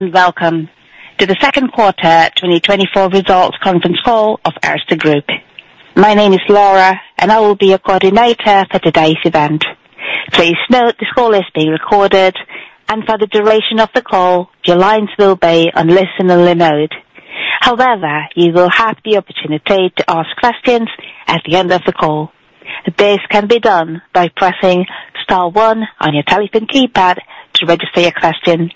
Welcome to the Second Quarter 2024 Results Conference Call of Erste Group. My name is Laura, and I will be your coordinator for today's event. Please note, this call is being recorded, and for the duration of the call, your lines will be on listen-only mode. However, you will have the opportunity to ask questions at the end of the call. This can be done by pressing star one on your telephone keypad to register your question.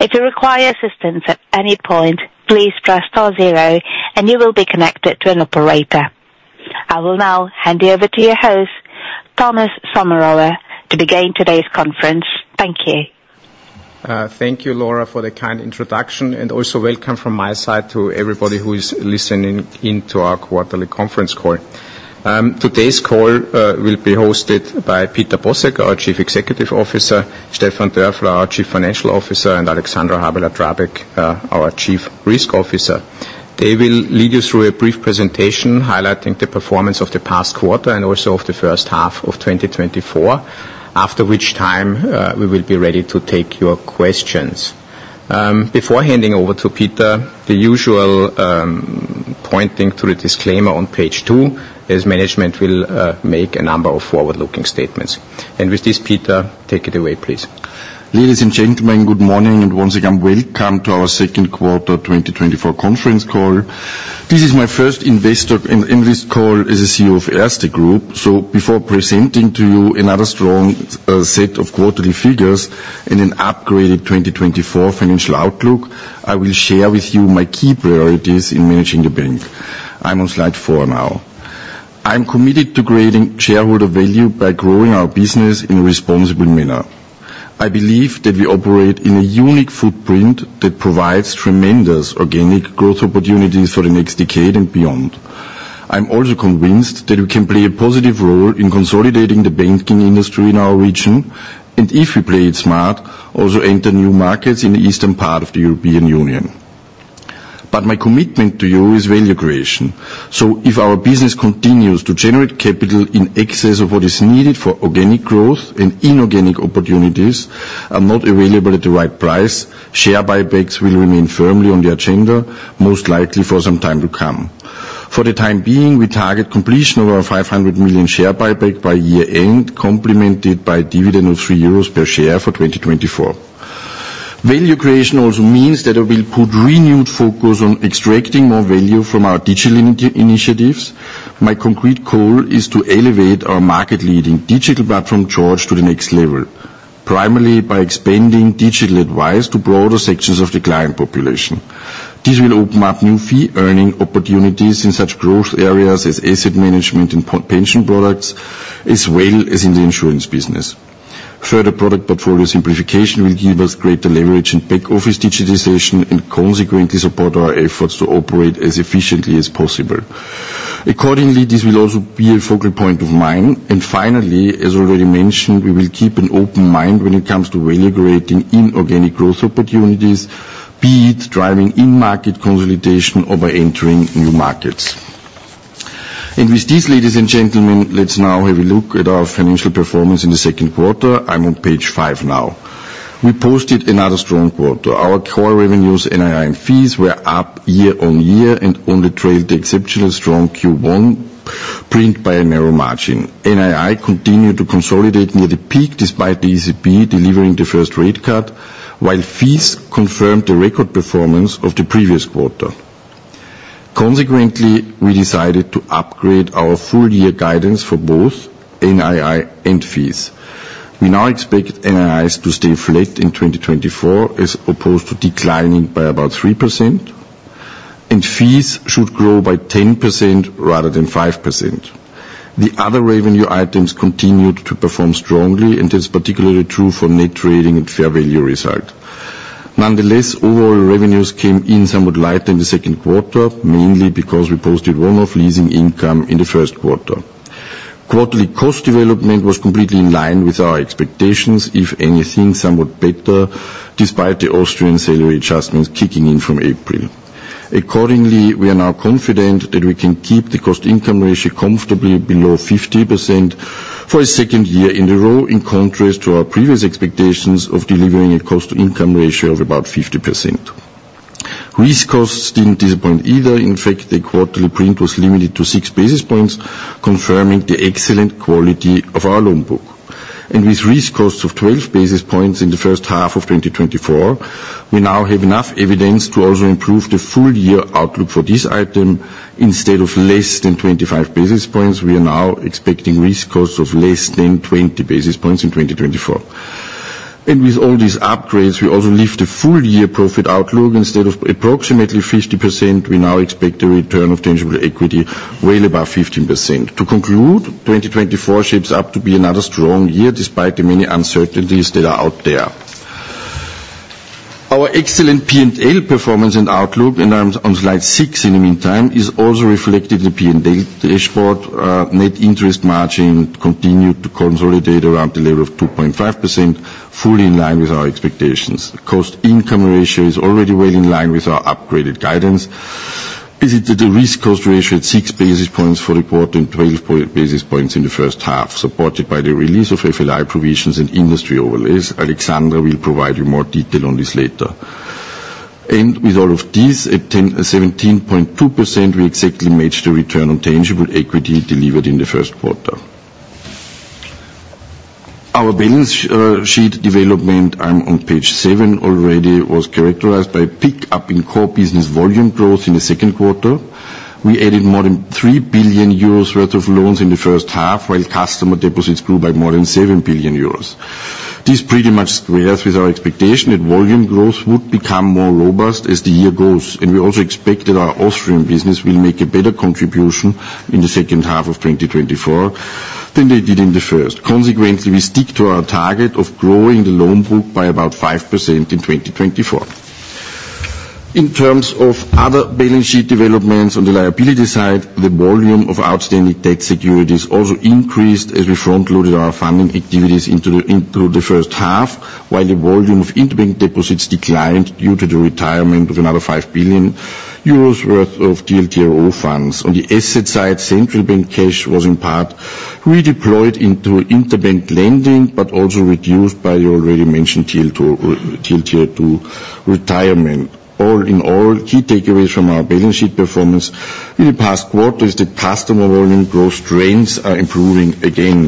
If you require assistance at any point, please press star zero, and you will be connected to an operator. I will now hand you over to your host, Thomas Sommerauer, to begin today's conference. Thank you. Thank you, Laura, for the kind introduction, and also welcome from my side to everybody who is listening in to our quarterly conference call. Today's call will be hosted by Peter Bosek, our Chief Executive Officer, Stefan Dörfler, our Chief Financial Officer, and Alexandra Habeler-Drabek, our Chief Risk Officer. They will lead you through a brief presentation highlighting the performance of the past quarter and also of the first half of 2024, after which time we will be ready to take your questions. Before handing over to Peter, the usual pointing to the disclaimer on page two, as management will make a number of forward-looking statements. With this, Peter, take it away, please. Ladies and gentlemen, good morning, and once again, welcome to our second quarter 2024 conference call. This is my first investor call as the CEO of Erste Group. Before presenting to you another strong set of quarterly figures and an upgraded 2024 financial outlook, I will share with you my key priorities in managing the bank. I'm on slide four now. I'm committed to creating shareholder value by growing our business in a responsible manner. I believe that we operate in a unique footprint that provides tremendous organic growth opportunities for the next decade and beyond. I'm also convinced that we can play a positive role in consolidating the banking industry in our region, and if we play it smart, also enter new markets in the eastern part of the European Union. But my commitment to you is value creation. So if our business continues to generate capital in excess of what is needed for organic growth and inorganic opportunities are not available at the right price, share buybacks will remain firmly on the agenda, most likely for some time to come. For the time being, we target completion of our 500 million share buyback by year-end, complemented by dividend of 3 euros per share for 2024. Value creation also means that we will put renewed focus on extracting more value from our digital initiatives. My concrete goal is to elevate our market-leading digital platform, George, to the next level, primarily by expanding digital advice to broader sections of the client population. This will open up new fee-earning opportunities in such growth areas as asset management and pension products, as well as in the insurance business. Further product portfolio simplification will give us greater leverage in back-office digitization and consequently support our efforts to operate as efficiently as possible. Accordingly, this will also be a focal point of mine. Finally, as already mentioned, we will keep an open mind when it comes to value creating inorganic growth opportunities, be it driving in-market consolidation or by entering new markets. With this, ladies and gentlemen, let's now have a look at our financial performance in the second quarter. I'm on page five now. We posted another strong quarter. Our core revenues, NII, and fees were up year-on-year and only trailed the exceptionally strong Q1 print by a narrow margin. NII continued to consolidate near the peak, despite the ECB delivering the first rate cut, while fees confirmed the record performance of the previous quarter. Consequently, we decided to upgrade our full-year guidance for both NII and fees. We now expect NIIs to stay flat in 2024, as opposed to declining by about 3%, and fees should grow by 10% rather than 5%. The other revenue items continued to perform strongly, and this is particularly true for net trading and fair value result. Nonetheless, overall revenues came in somewhat light in the second quarter, mainly because we posted one-off leasing income in the first quarter. Quarterly cost development was completely in line with our expectations, if anything, somewhat better, despite the Austrian salary adjustments kicking in from April. Accordingly, we are now confident that we can keep the cost-income ratio comfortably below 50% for a second year in a row, in contrast to our previous expectations of delivering a cost-income ratio of about 50%. Risk costs didn't disappoint either. In fact, the quarterly print was limited to 6 basis points, confirming the excellent quality of our loan book. With risk costs of 12 basis points in the first half of 2024, we now have enough evidence to also improve the full-year outlook for this item. Instead of less than 25 basis points, we are now expecting risk costs of less than 20 basis points in 2024. With all these upgrades, we also lift the full-year profit outlook. Instead of approximately 50%, we now expect a return on tangible equity well above 15%. To conclude, 2024 shapes up to be another strong year, despite the many uncertainties that are out there. Our excellent P&L performance and outlook, and I'm on slide six in the meantime, is also reflected in the P&L dashboard. Net interest margin continued to consolidate around the level of 2.5%, fully in line with our expectations. Cost-income ratio is already well in line with our upgraded guidance. It's the risk cost ratio at 6 basis points for the quarter and 12 basis points in the first half, supported by the release of FLI provisions and industry overlays. Alexandra will provide you more detail on this later. With all of these, at 17.2%, we exactly matched the return on tangible equity delivered in the first quarter. Our balance sheet development, I'm on page seven already, was characterized by a pick-up in core business volume growth in the second quarter. We added more than 3 billion euros worth of loans in the first half, while customer deposits grew by more than 7 billion euros. This pretty much squares with our expectation that volume growth would become more robust as the year goes, and we also expect that our Austrian business will make a better contribution in the second half of 2024 than they did in the first. Consequently, we stick to our target of growing the loan book by about 5% in 2024. In terms of other balance sheet developments on the liability side, the volume of outstanding debt securities also increased as we front-loaded our funding activities into the first half, while the volume of interbank deposits declined due to the retirement of another 5 billion euros worth of TLTRO funds. On the asset side, central bank cash was in part redeployed into interbank lending, but also reduced by the already mentioned TLTRO retirement. All in all, key takeaways from our balance sheet performance in the past quarter is the customer volume growth trends are improving again.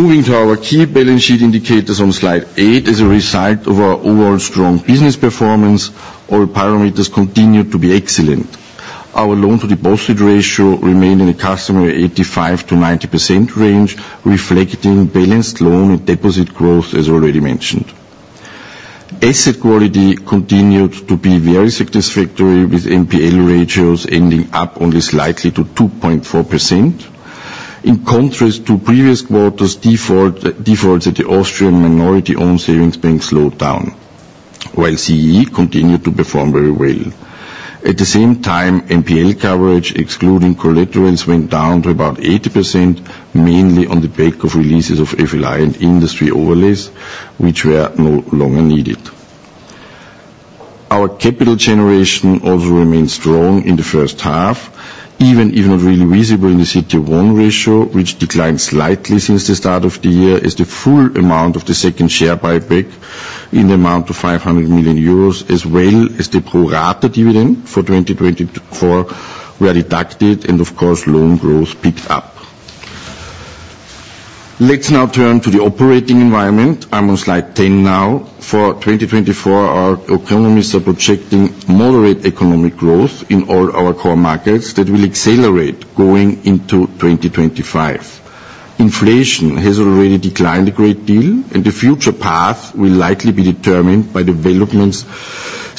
Moving to our key balance sheet indicators on slide eight, as a result of our overall strong business performance, all parameters continue to be excellent. Our loan-to-deposit ratio remained in the customary 85%-90% range, reflecting balanced loan and deposit growth, as already mentioned. Asset quality continued to be very satisfactory, with NPL ratios ending up only slightly to 2.4%. In contrast to previous quarters, defaults at the Austrian minority-owned savings bank slowed down, while CEE continued to perform very well. At the same time, NPL coverage, excluding collaterals, went down to about 80%, mainly on the back of releases of FLI and industry overlays, which were no longer needed. Our capital generation also remained strong in the first half, even if not really visible in the CET1 ratio, which declined slightly since the start of the year, as the full amount of the second share buyback in the amount of 500 million euros, as well as the pro rata dividend for 2024, were deducted, and of course, loan growth picked up. Let's now turn to the operating environment. I'm on slide 10 now. For 2024, our economists are projecting moderate economic growth in all our core markets that will accelerate going into 2025. Inflation has already declined a great deal, and the future path will likely be determined by developments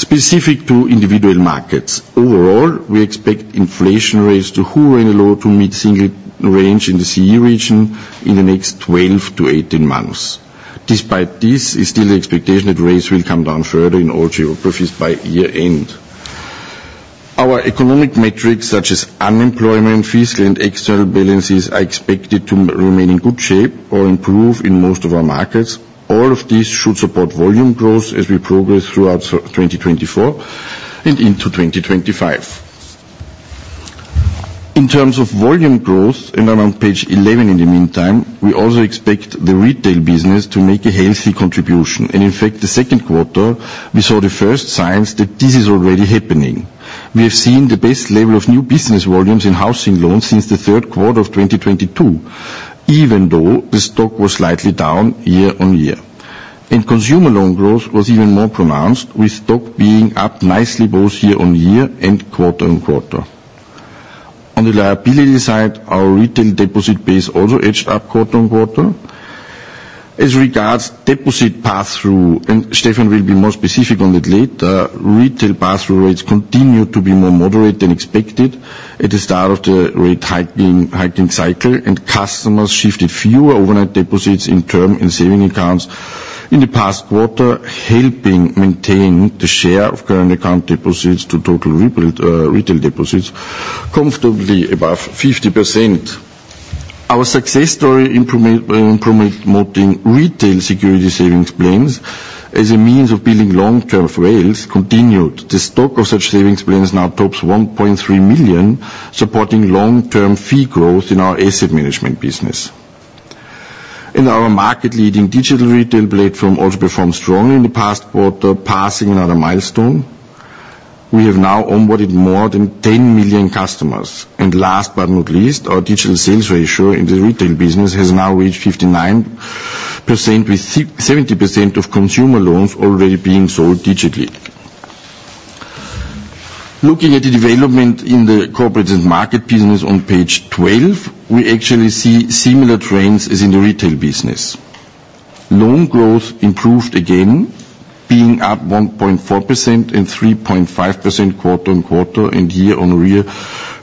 specific to individual markets. Overall, we expect inflation rates to hover in the low- to mid-single range in the CEE region in the next 12 months-18 months. Despite this, it's still the expectation that rates will come down further in all geographies by year-end. Our economic metrics, such as unemployment, fiscal, and external balances, are expected to remain in good shape or improve in most of our markets. All of these should support volume growth as we progress throughout 2024 and into 2025. In terms of volume growth, and I'm on page 11 in the meantime, we also expect the retail business to make a healthy contribution. And in fact, the second quarter, we saw the first signs that this is already happening. We have seen the best level of new business volumes in housing loans since the third quarter of 2022, even though the stock was slightly down year-on-year. And consumer loan growth was even more pronounced, with stock being up nicely both year-on-year and quarter-on-quarter. On the liability side, our retail deposit base also edged up quarter-on-quarter. As regards deposit pass-through, and Stefan will be more specific on that later, retail pass-through rates continued to be more moderate than expected at the start of the rate hiking cycle, and customers shifted fewer overnight deposits in term and saving accounts in the past quarter, helping maintain the share of current account deposits to total retail retail deposits comfortably above 50%. Our success story in promoting retail securities savings plans as a means of building long-term rails continued. The stock of such savings plans now tops 1.3 million, supporting long-term fee growth in our asset management business. And our market-leading digital retail platform also performed strongly in the past quarter, passing another milestone. We have now onboarded more than 10 million customers. Last but not least, our digital sales ratio in the retail business has now reached 59%, with 70% of consumer loans already being sold digitally. Looking at the development in the corporate and market business on page 12, we actually see similar trends as in the retail business. Loan growth improved again, being up 1.4% and 3.5% quarter-on-quarter and year-on-year,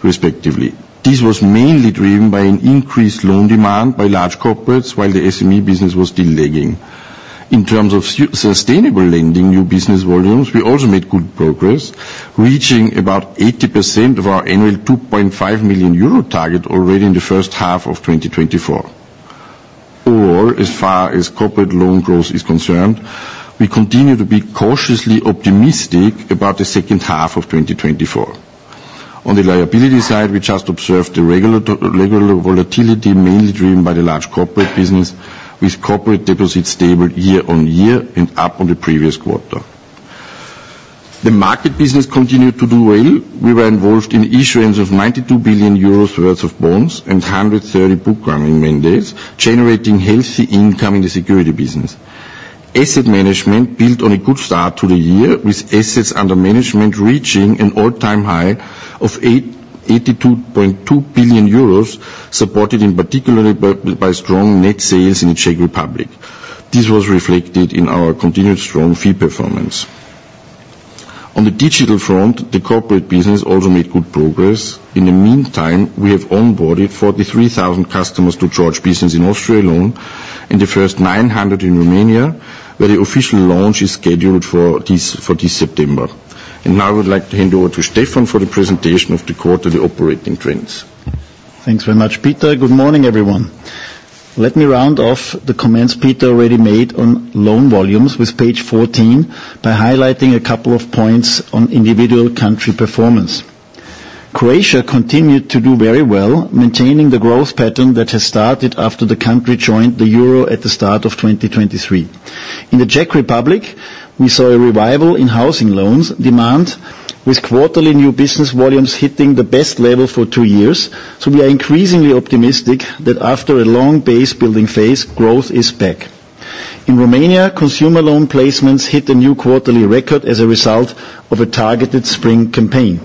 respectively. This was mainly driven by an increased loan demand by large corporates, while the SME business was still lagging. In terms of sustainable lending new business volumes, we also made good progress, reaching about 80% of our annual 2.5 million euro target already in the first half of 2024.... Overall, as far as corporate loan growth is concerned, we continue to be cautiously optimistic about the second half of 2024. On the liability side, we just observed the regular, regular volatility, mainly driven by the large corporate business, with corporate deposits stable year-on-year and up on the previous quarter. The market business continued to do well. We were involved in the issuance of 92 billion euros worth of bonds and 130 book running mandates, generating healthy income in the security business. Asset management built on a good start to the year, with assets under management reaching an all-time high of 82.2 billion euros, supported in particularly by, by strong net sales in the Czech Republic. This was reflected in our continued strong fee performance. On the digital front, the corporate business also made good progress. In the meantime, we have onboarded 43,000 customers to George Business in Austria alone, and the first 900 in Romania, where the official launch is scheduled for this September. Now I would like to hand over to Stefan for the presentation of the quarterly operating trends. Thanks very much, Peter. Good morning, everyone. Let me round off the comments Peter already made on loan volumes with page 14, by highlighting a couple of points on individual country performance. Croatia continued to do very well, maintaining the growth pattern that has started after the country joined the euro at the start of 2023. In the Czech Republic, we saw a revival in housing loans demand, with quarterly new business volumes hitting the best level for two years, so we are increasingly optimistic that after a long base-building phase, growth is back. In Romania, consumer loan placements hit a new quarterly record as a result of a targeted spring campaign.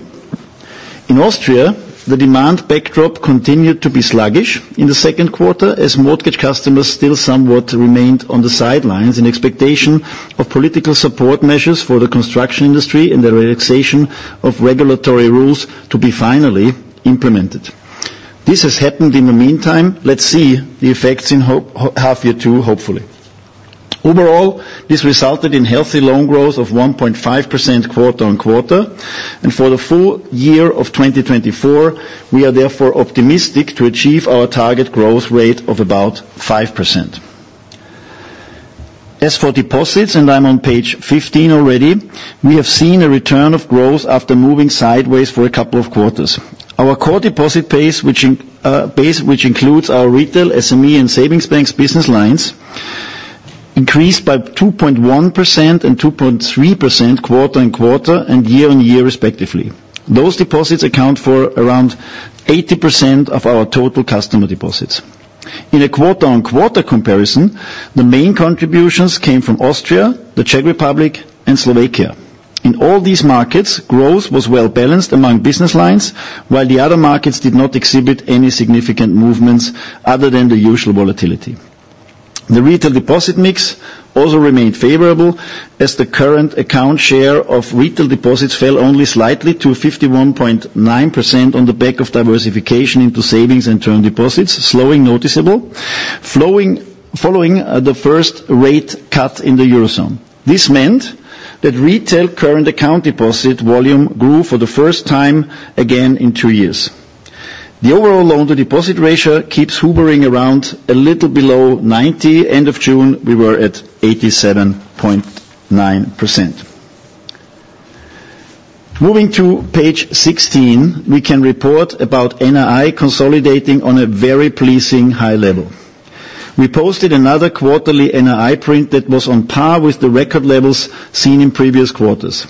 In Austria, the demand backdrop continued to be sluggish in the second quarter, as mortgage customers still somewhat remained on the sidelines in expectation of political support measures for the construction industry and the relaxation of regulatory rules to be finally implemented. This has happened in the meantime. Let's see the effects in half year two, hopefully. Overall, this resulted in healthy loan growth of 1.5% quarter-on-quarter, and for the full year of 2024, we are therefore optimistic to achieve our target growth rate of about 5%. As for deposits, and I'm on page 15 already, we have seen a return of growth after moving sideways for a couple of quarters. Our core deposit base, which includes our retail, SME, and savings banks business lines, increased by 2.1% and 2.3% quarter-on-quarter and year-on-year, respectively. Those deposits account for around 80% of our total customer deposits. In a quarter-on-quarter comparison, the main contributions came from Austria, the Czech Republic, and Slovakia. In all these markets, growth was well-balanced among business lines, while the other markets did not exhibit any significant movements other than the usual volatility. The retail deposit mix also remained favorable, as the current account share of retail deposits fell only slightly to 51.9% on the back of diversification into savings and term deposits, slowing noticeably following the first rate cut in the Eurozone. This meant that retail current account deposit volume grew for the first time again in two years. The overall loan-to-deposit ratio keeps hovering around a little below 90. End of June, we were at 87.9%. Moving to page 16, we can report about NII consolidating on a very pleasing high level. We posted another quarterly NII print that was on par with the record levels seen in previous quarters.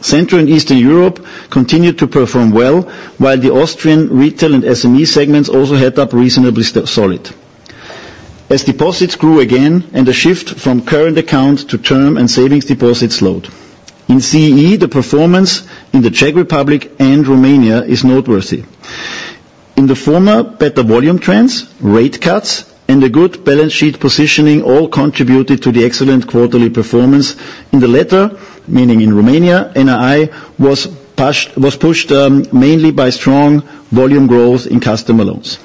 Central and Eastern Europe continued to perform well, while the Austrian retail and SME segments also held up reasonably solid, as deposits grew again and a shift from current accounts to term and savings deposits load. In CEE, the performance in the Czech Republic and Romania is noteworthy. In the former, better volume trends, rate cuts, and a good balance sheet positioning all contributed to the excellent quarterly performance. In the latter, meaning in Romania, NII was pushed mainly by strong volume growth in customer loans.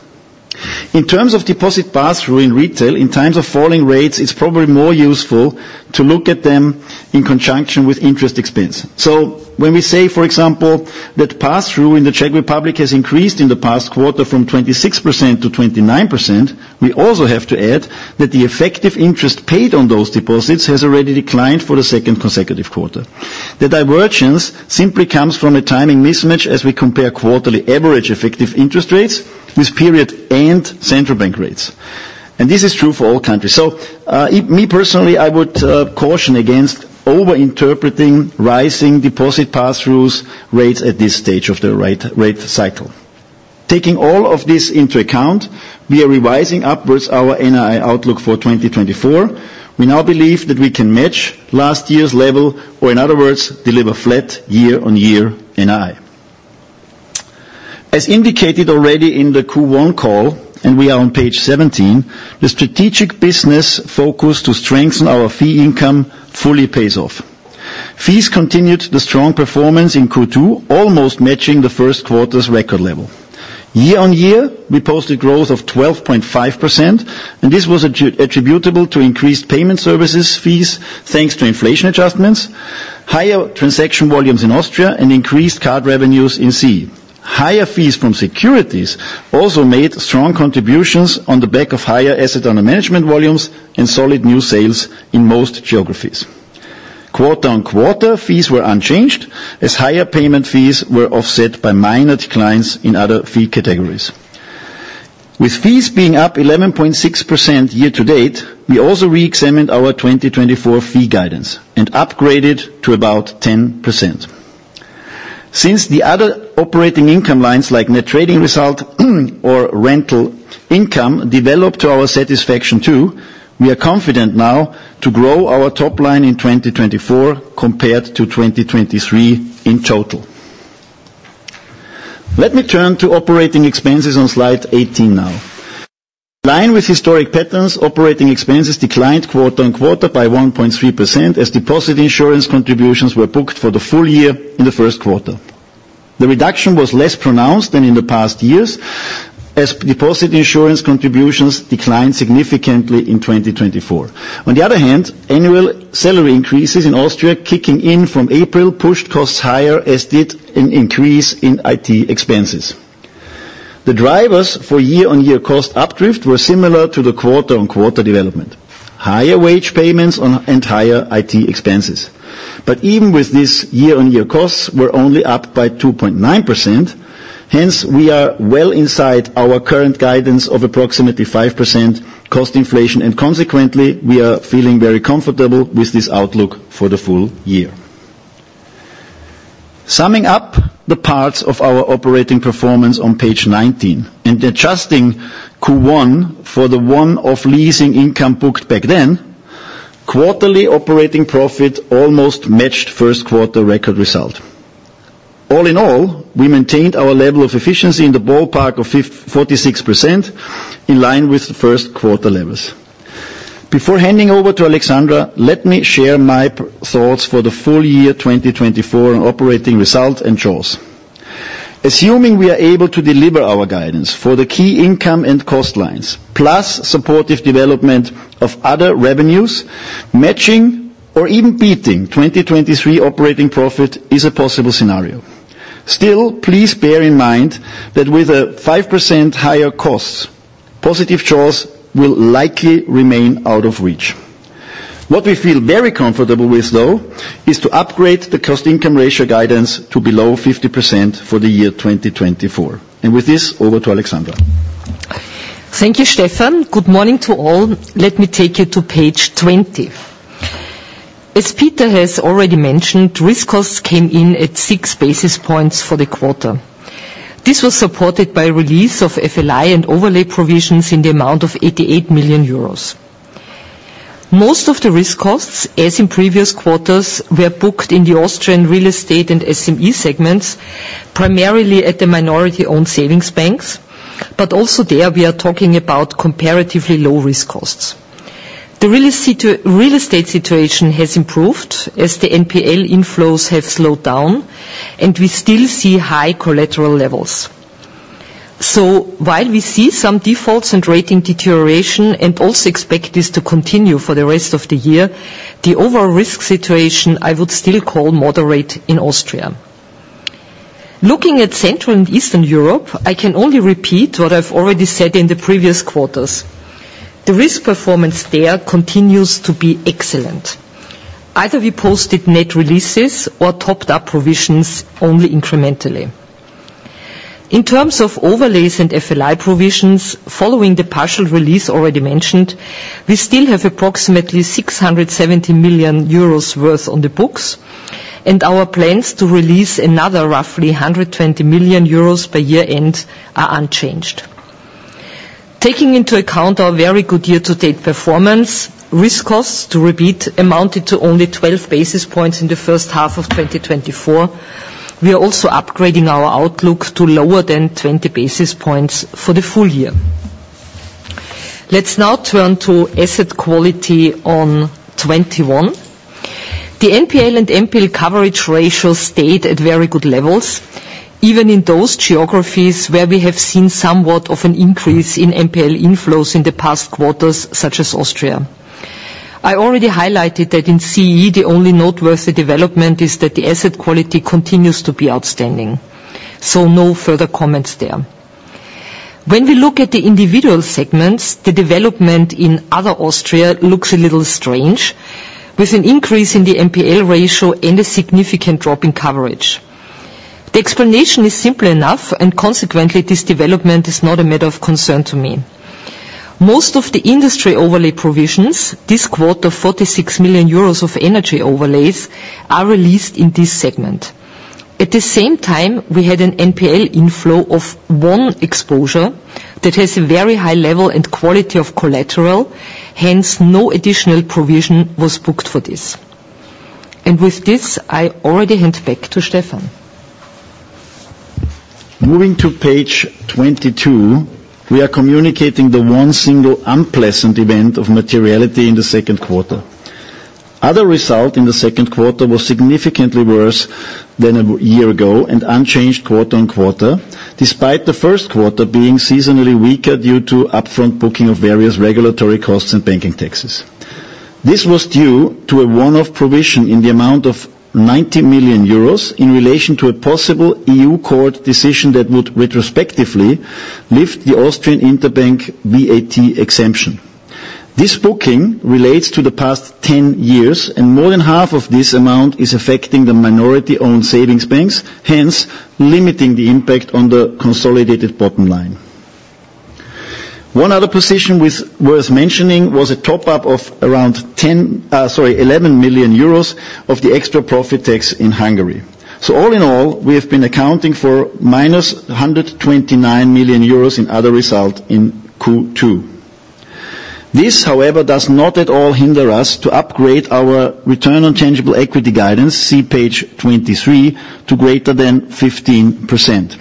In terms of deposit pass-through in retail, in times of falling rates, it's probably more useful to look at them in conjunction with interest expense. So when we say, for example, that pass-through in the Czech Republic has increased in the past quarter from 26% to 29%, we also have to add that the effective interest paid on those deposits has already declined for a second consecutive quarter. The divergence simply comes from a timing mismatch as we compare quarterly average effective interest rates with period and central bank rates. And this is true for all countries. So, me, personally, I would caution against overinterpreting rising deposit pass-through rates at this stage of the rate cycle. Taking all of this into account, we are revising upwards our NII outlook for 2024. We now believe that we can match last year's level, or in other words, deliver flat year-on-year NII. As indicated already in the Q1 call, and we are on page 17, the strategic business focus to strengthen our fee income fully pays off. Fees continued the strong performance in Q2, almost matching the first quarter's record level. Year-on-year, we posted growth of 12.5%, and this was attributable to increased payment services fees, thanks to inflation adjustments, higher transaction volumes in Austria, and increased card revenues in CEE. Higher fees from securities also made strong contributions on the back of higher assets under management volumes and solid new sales in most geographies. Quarter-on-quarter, fees were unchanged, as higher payment fees were offset by minor declines in other fee categories. With fees being up 11.6% year-to-date, we also reexamined our 2024 fee guidance and upgraded to about 10%. Since the other operating income lines, like net trading result or rental income, developed to our satisfaction, too, we are confident now to grow our top line in 2024 compared to 2023 in total. Let me turn to operating expenses on slide 18 now. In line with historic patterns, operating expenses declined quarter-on-quarter by 1.3%, as deposit insurance contributions were booked for the full year in the first quarter. The reduction was less pronounced than in the past years, as deposit insurance contributions declined significantly in 2024. On the other hand, annual salary increases in Austria, kicking in from April, pushed costs higher, as did an increase in IT expenses. The drivers for year-on-year cost up drift were similar to the quarter-on-quarter development: higher wage payments on, and higher IT expenses. But even with this, year-on-year costs were only up by 2.9%; hence, we are well inside our current guidance of approximately 5% cost inflation, and consequently, we are feeling very comfortable with this outlook for the full year. Summing up the parts of our operating performance on page 19, and adjusting Q1 for the one-off leasing income booked back then, quarterly operating profit almost matched first quarter record result. All in all, we maintained our level of efficiency in the ballpark of 46%, in line with the first quarter levels. Before handing over to Alexandra, let me share my thoughts for the full year 2024 on operating results and CIR. Assuming we are able to deliver our guidance for the key income and cost lines, plus supportive development of other revenues, matching or even beating 2023 operating profit is a possible scenario. Still, please bear in mind that with a 5% higher cost, positive CIR will likely remain out of reach. What we feel very comfortable with, though, is to upgrade the cost-income ratio guidance to below 50% for the year 2024. With this, over to Alexandra. Thank you, Stefan. Good morning to all. Let me take you to page 20. As Peter has already mentioned, risk costs came in at 6 basis points for the quarter. This was supported by release of FLI and overlay provisions in the amount of 88 million euros. Most of the risk costs, as in previous quarters, were booked in the Austrian real estate and SME segments, primarily at the minority-owned savings banks, but also there, we are talking about comparatively low risk costs. The real estate situation has improved, as the NPL inflows have slowed down, and we still see high collateral levels. So while we see some defaults and rating deterioration, and also expect this to continue for the rest of the year, the overall risk situation, I would still call moderate in Austria. Looking at Central and Eastern Europe, I can only repeat what I've already said in the previous quarters. The risk performance there continues to be excellent. Either we posted net releases or topped up provisions only incrementally. In terms of overlays and FLI provisions, following the partial release already mentioned, we still have approximately 670 million euros worth on the books, and our plans to release another roughly 120 million euros by year-end are unchanged. Taking into account our very good year-to-date performance, risk costs, to repeat, amounted to only 12 basis points in the first half of 2024. We are also upgrading our outlook to lower than 20 basis points for the full year. Let's now turn to asset quality on 21. The NPL and NPL coverage ratio stayed at very good levels, even in those geographies where we have seen somewhat of an increase in NPL inflows in the past quarters, such as Austria. I already highlighted that in CEE, the only noteworthy development is that the asset quality continues to be outstanding, so no further comments there. When we look at the individual segments, the development in Other Austria looks a little strange, with an increase in the NPL ratio and a significant drop in coverage. The explanation is simple enough, and consequently, this development is not a matter of concern to me. Most of the industry overlay provisions, this quarter, 46 million euros of energy overlays, are released in this segment. At the same time, we had an NPL inflow of one exposure that has a very high level and quality of collateral. Hence, no additional provision was booked for this. And with this, I already hand back to Stefan. Moving to page 22, we are communicating the one single unpleasant event of materiality in the second quarter. Other result in the second quarter was significantly worse than a year ago, and unchanged quarter-on-quarter, despite the first quarter being seasonally weaker due to upfront booking of various regulatory costs and banking taxes. This was due to a one-off provision in the amount of 90 million euros in relation to a possible EU court decision that would retrospectively lift the Austrian interbank VAT exemption. This booking relates to the past 10 years, and more than half of this amount is affecting the minority-owned savings banks, hence, limiting the impact on the consolidated bottom line. One other position worth mentioning was a top-up of around eleven million euros of the extra profit tax in Hungary. So all in all, we have been accounting for -129 million euros in other result in Q2. This, however, does not at all hinder us to upgrade our return on tangible equity guidance, see page 23, to greater than 15%.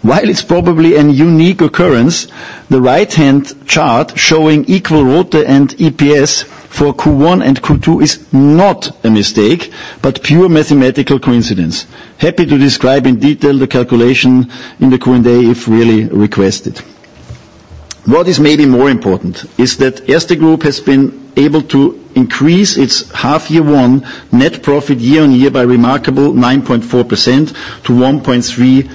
While it's probably a unique occurrence, the right-hand chart showing equal ROTE and EPS for Q1 and Q2 is not a mistake, but pure mathematical coincidence. Happy to describe in detail the calculation in the Q&A, if really requested. What is maybe more important is that Erste Group has been able to increase its half year one net profit year-on-year by remarkable 9.4% to 1.3,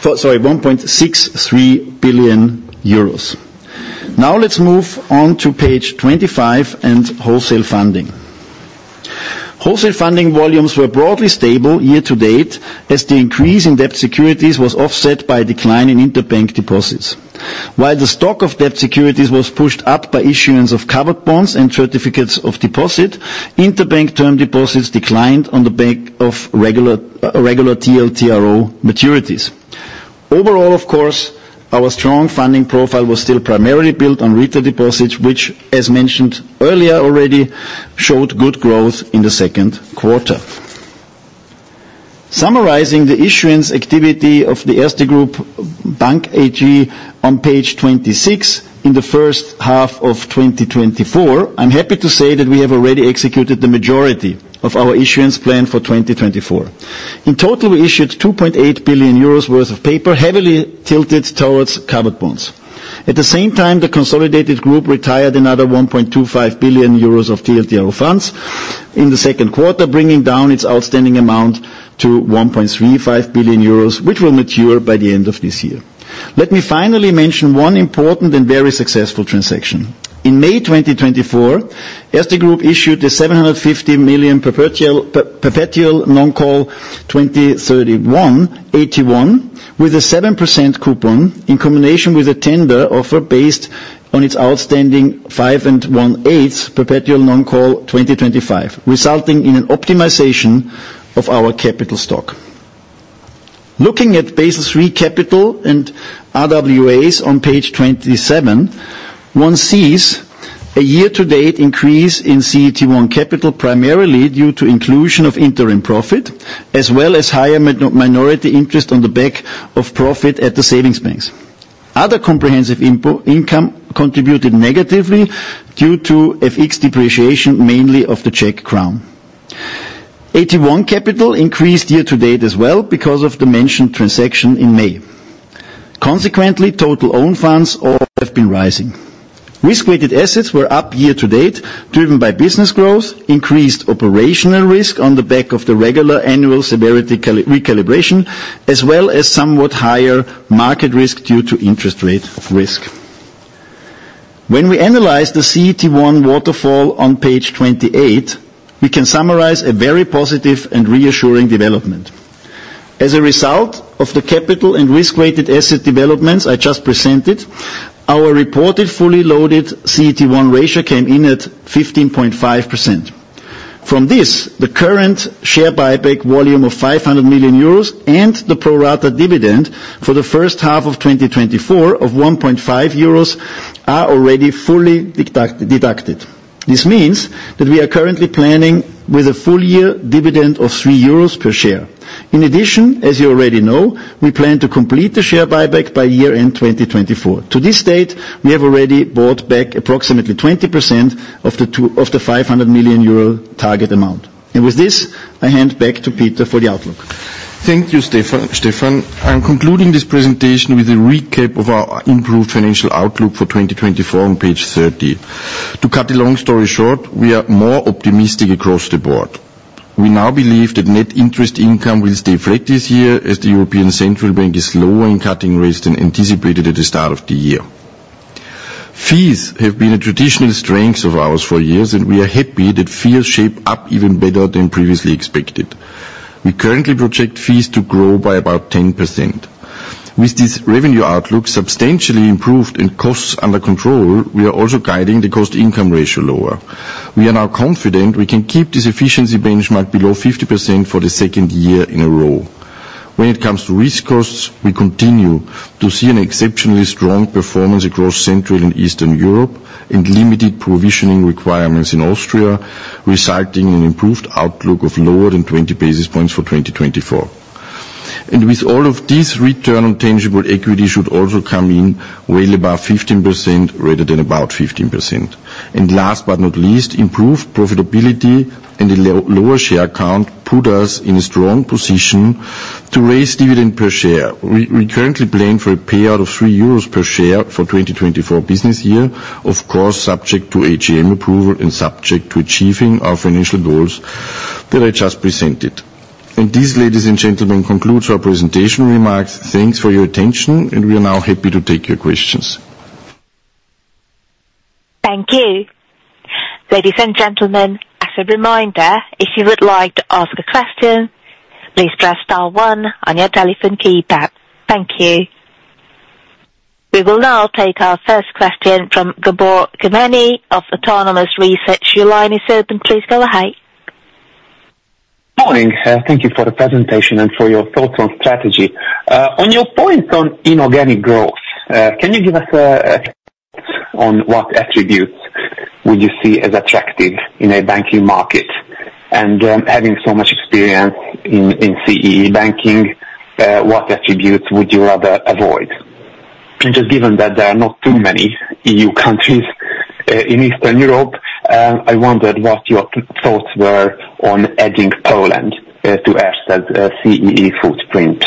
sorry, 1.63 billion euros. Now let's move on to page 25 and wholesale funding. Wholesale funding volumes were broadly stable year to date, as the increase in debt securities was offset by a decline in interbank deposits. While the stock of debt securities was pushed up by issuance of covered bonds and certificates of deposit, interbank term deposits declined on the back of regular TLTRO maturities. Overall, of course, our strong funding profile was still primarily built on retail deposits, which, as mentioned earlier already, showed good growth in the second quarter. Summarizing the issuance activity of the Erste Group Bank AG on page 26 in the first half of 2024, I'm happy to say that we have already executed the majority of our issuance plan for 2024. In total, we issued 2.8 billion euros worth of paper, heavily tilted towards covered bonds. At the same time, the consolidated group retired another 1.25 billion euros of TLTRO funds in the second quarter, bringing down its outstanding amount to 1.35 billion euros, which will mature by the end of this year. Let me finally mention one important and very successful transaction. In May 2024, Erste Group issued a 750 million perpetual non-call 2031 AT1, with a 7% coupon, in combination with a tender offer based on its outstanding 5 1/8 perpetual non-call 2025, resulting in an optimization of our capital stock. Looking at Basel 3 capital and RWAs on page 27, one sees a year-to-date increase in CET1 capital, primarily due to inclusion of interim profit, as well as higher minority interest on the back of profit at the savings banks. Other comprehensive income contributed negatively due to FX depreciation, mainly of the Czech crown. AT1 capital increased year to date as well because of the mentioned transaction in May. Consequently, total own funds all have been rising. Risk-weighted assets were up year to date, driven by business growth, increased operational risk on the back of the regular annual severity recalibration, as well as somewhat higher market risk due to interest rate risk. When we analyze the CET1 waterfall on page 28, we can summarize a very positive and reassuring development. As a result of the capital and risk-weighted asset developments I just presented, our reported fully loaded CET1 ratio came in at 15.5%. From this, the current share buyback volume of 500 million euros and the pro rata dividend for the first half of 2024 of 1.5 euros are already fully deducted. This means that we are currently planning with a full-year dividend of 3 euros per share. In addition, as you already know, we plan to complete the share buyback by year-end 2024. To this date, we have already bought back approximately 20% of the five hundred million euro target amount. And with this, I hand back to Peter for the outlook. Thank you, Stefan, Stefan. I'm concluding this presentation with a recap of our improved financial outlook for 2024 on page 30. To cut a long story short, we are more optimistic across the board. We now believe that net interest income will stay flat this year, as the European Central Bank is slower in cutting rates than anticipated at the start of the year. Fees have been a traditional strength of ours for years, and we are happy that fees shape up even better than previously expected. We currently project fees to grow by about 10%. With this revenue outlook substantially improved and costs under control, we are also guiding the cost-income ratio lower. We are now confident we can keep this efficiency benchmark below 50% for the second year in a row. When it comes to risk costs, we continue to see an exceptionally strong performance across Central and Eastern Europe and limited provisioning requirements in Austria, resulting in improved outlook of lower than 20 basis points for 2024. With all of this, return on tangible equity should also come in well above 15% rather than about 15%. Last but not least, improved profitability and a lower share count put us in a strong position to raise dividend per share. We currently plan for a payout of 3 euros per share for 2024 business year, of course, subject to AGM approval and subject to achieving our financial goals that I just presented. And this, ladies and gentlemen, concludes our presentation remarks. Thanks for your attention, and we are now happy to take your questions. Thank you. Ladies and gentlemen, as a reminder, if you would like to ask a question, please press star one on your telephone keypad. Thank you. We will now take our first question from Gabor Kemeny of Autonomous Research. Your line is open. Please go ahead. Morning. Thank you for the presentation and for your thoughts on strategy. On your point on inorganic growth, can you give us on what attributes would you see as attractive in a banking market? And, having so much experience in CEE banking, what attributes would you rather avoid? And just given that there are not too many EU countries in Eastern Europe, I wondered what your thoughts were on adding Poland to Erste's CEE footprint.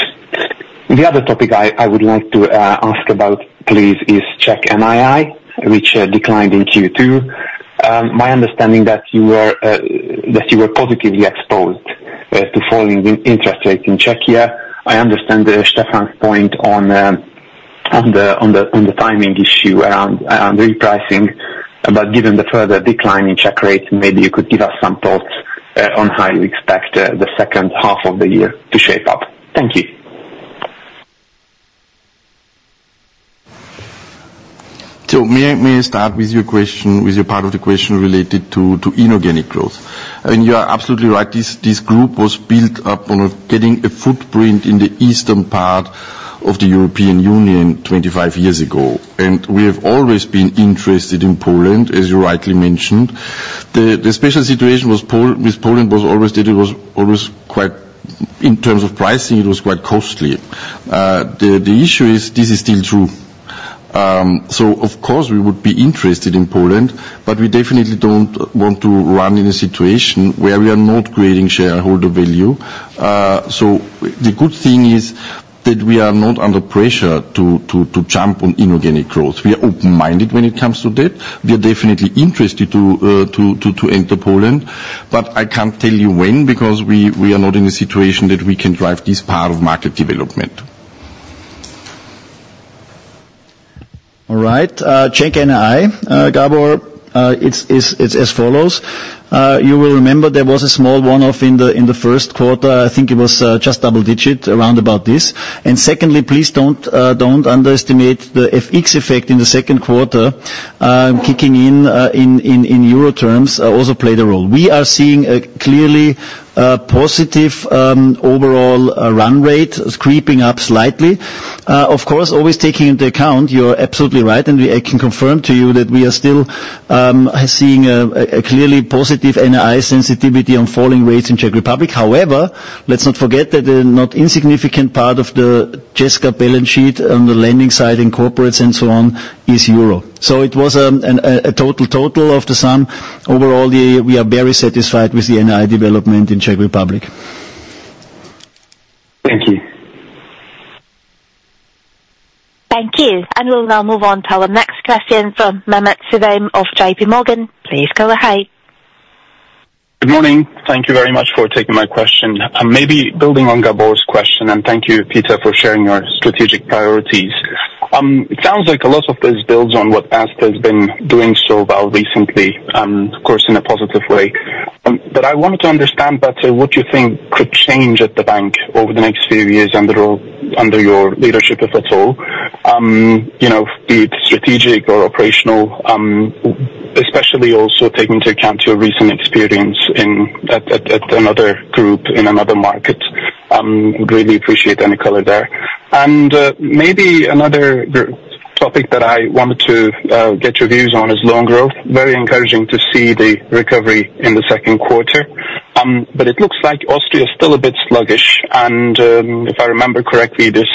The other topic I would like to ask about, please, is Czech NII, which declined in Q2. My understanding that you were positively exposed to falling in interest rates in Czechia. I understand Stefan's point on the timing issue around repricing, but given the further decline in Czech rates, maybe you could give us some thoughts on how you expect the second half of the year to shape up? Thank you. So may I start with your question, with your part of the question related to inorganic growth? And you are absolutely right, this group was built up on getting a footprint in the eastern part of the European Union 25 years ago. And we have always been interested in Poland, as you rightly mentioned. The special situation with Poland was always that it was always quite, in terms of pricing, it was quite costly. The issue is, this is still true. So of course, we would be interested in Poland, but we definitely don't want to run in a situation where we are not creating shareholder value. So the good thing is that we are not under pressure to jump on inorganic growth. We are open-minded when it comes to that. We are definitely interested to enter Poland, but I can't tell you when, because we are not in a situation that we can drive this part of market development. All right. Czech NII, Gabor, it's as follows. You will remember there was a small one-off in the first quarter. I think it was just double digit, around about this. And secondly, please don't don't underestimate the FX effect in the second quarter kicking in in euro terms also played a role. We are seeing a clearly positive overall run rate creeping up slightly. Of course, always taking into account, you're absolutely right, and we, I can confirm to you that we are still seeing a clearly positive NII sensitivity on falling rates in Czech Republic. However, let's not forget that a not insignificant part of the Czech balance sheet on the lending side in corporates and so on, is euro. So it was a total of the sum. Overall, we are very satisfied with the NII development in Czech Republic. Thank you. Thank you. And we'll now move on to our next question from Mehmet Sevim of JPMorgan. Please go ahead. Good morning. Thank you very much for taking my question. Maybe building on Gabor's question, and thank you, Peter, for sharing your strategic priorities. It sounds like a lot of this builds on what Erste has been doing so well recently, of course, in a positive way. But I wanted to understand better what you think could change at the bank over the next few years under your leadership, if at all. You know, be it strategic or operational, especially also taking into account your recent experience in another group in another market. Really appreciate any color there. And maybe another topic that I wanted to get your views on is loan growth. Very encouraging to see the recovery in the second quarter, but it looks like Austria is still a bit sluggish. If I remember correctly, this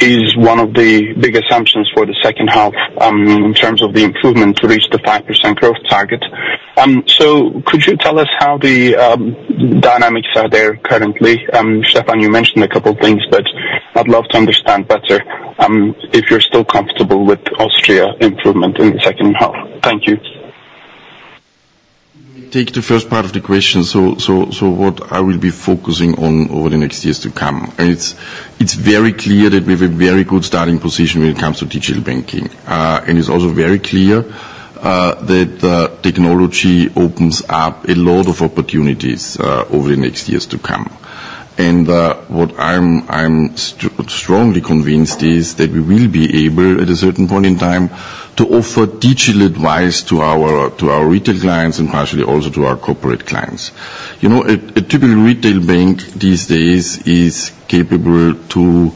is one of the big assumptions for the second half, in terms of the improvement to reach the 5% growth target. So could you tell us how the dynamics are there currently? Stefan, you mentioned a couple of things, but I'd love to understand better, if you're still comfortable with Austria improvement in the second half. Thank you. Take the first part of the question. So what I will be focusing on over the next years to come, and it's very clear that we have a very good starting position when it comes to digital banking. And it's also very clear that technology opens up a lot of opportunities over the next years to come. And what I'm strongly convinced is that we will be able, at a certain point in time, to offer digital advice to our retail clients and partially also to our corporate clients. You know, a typical retail bank these days is capable to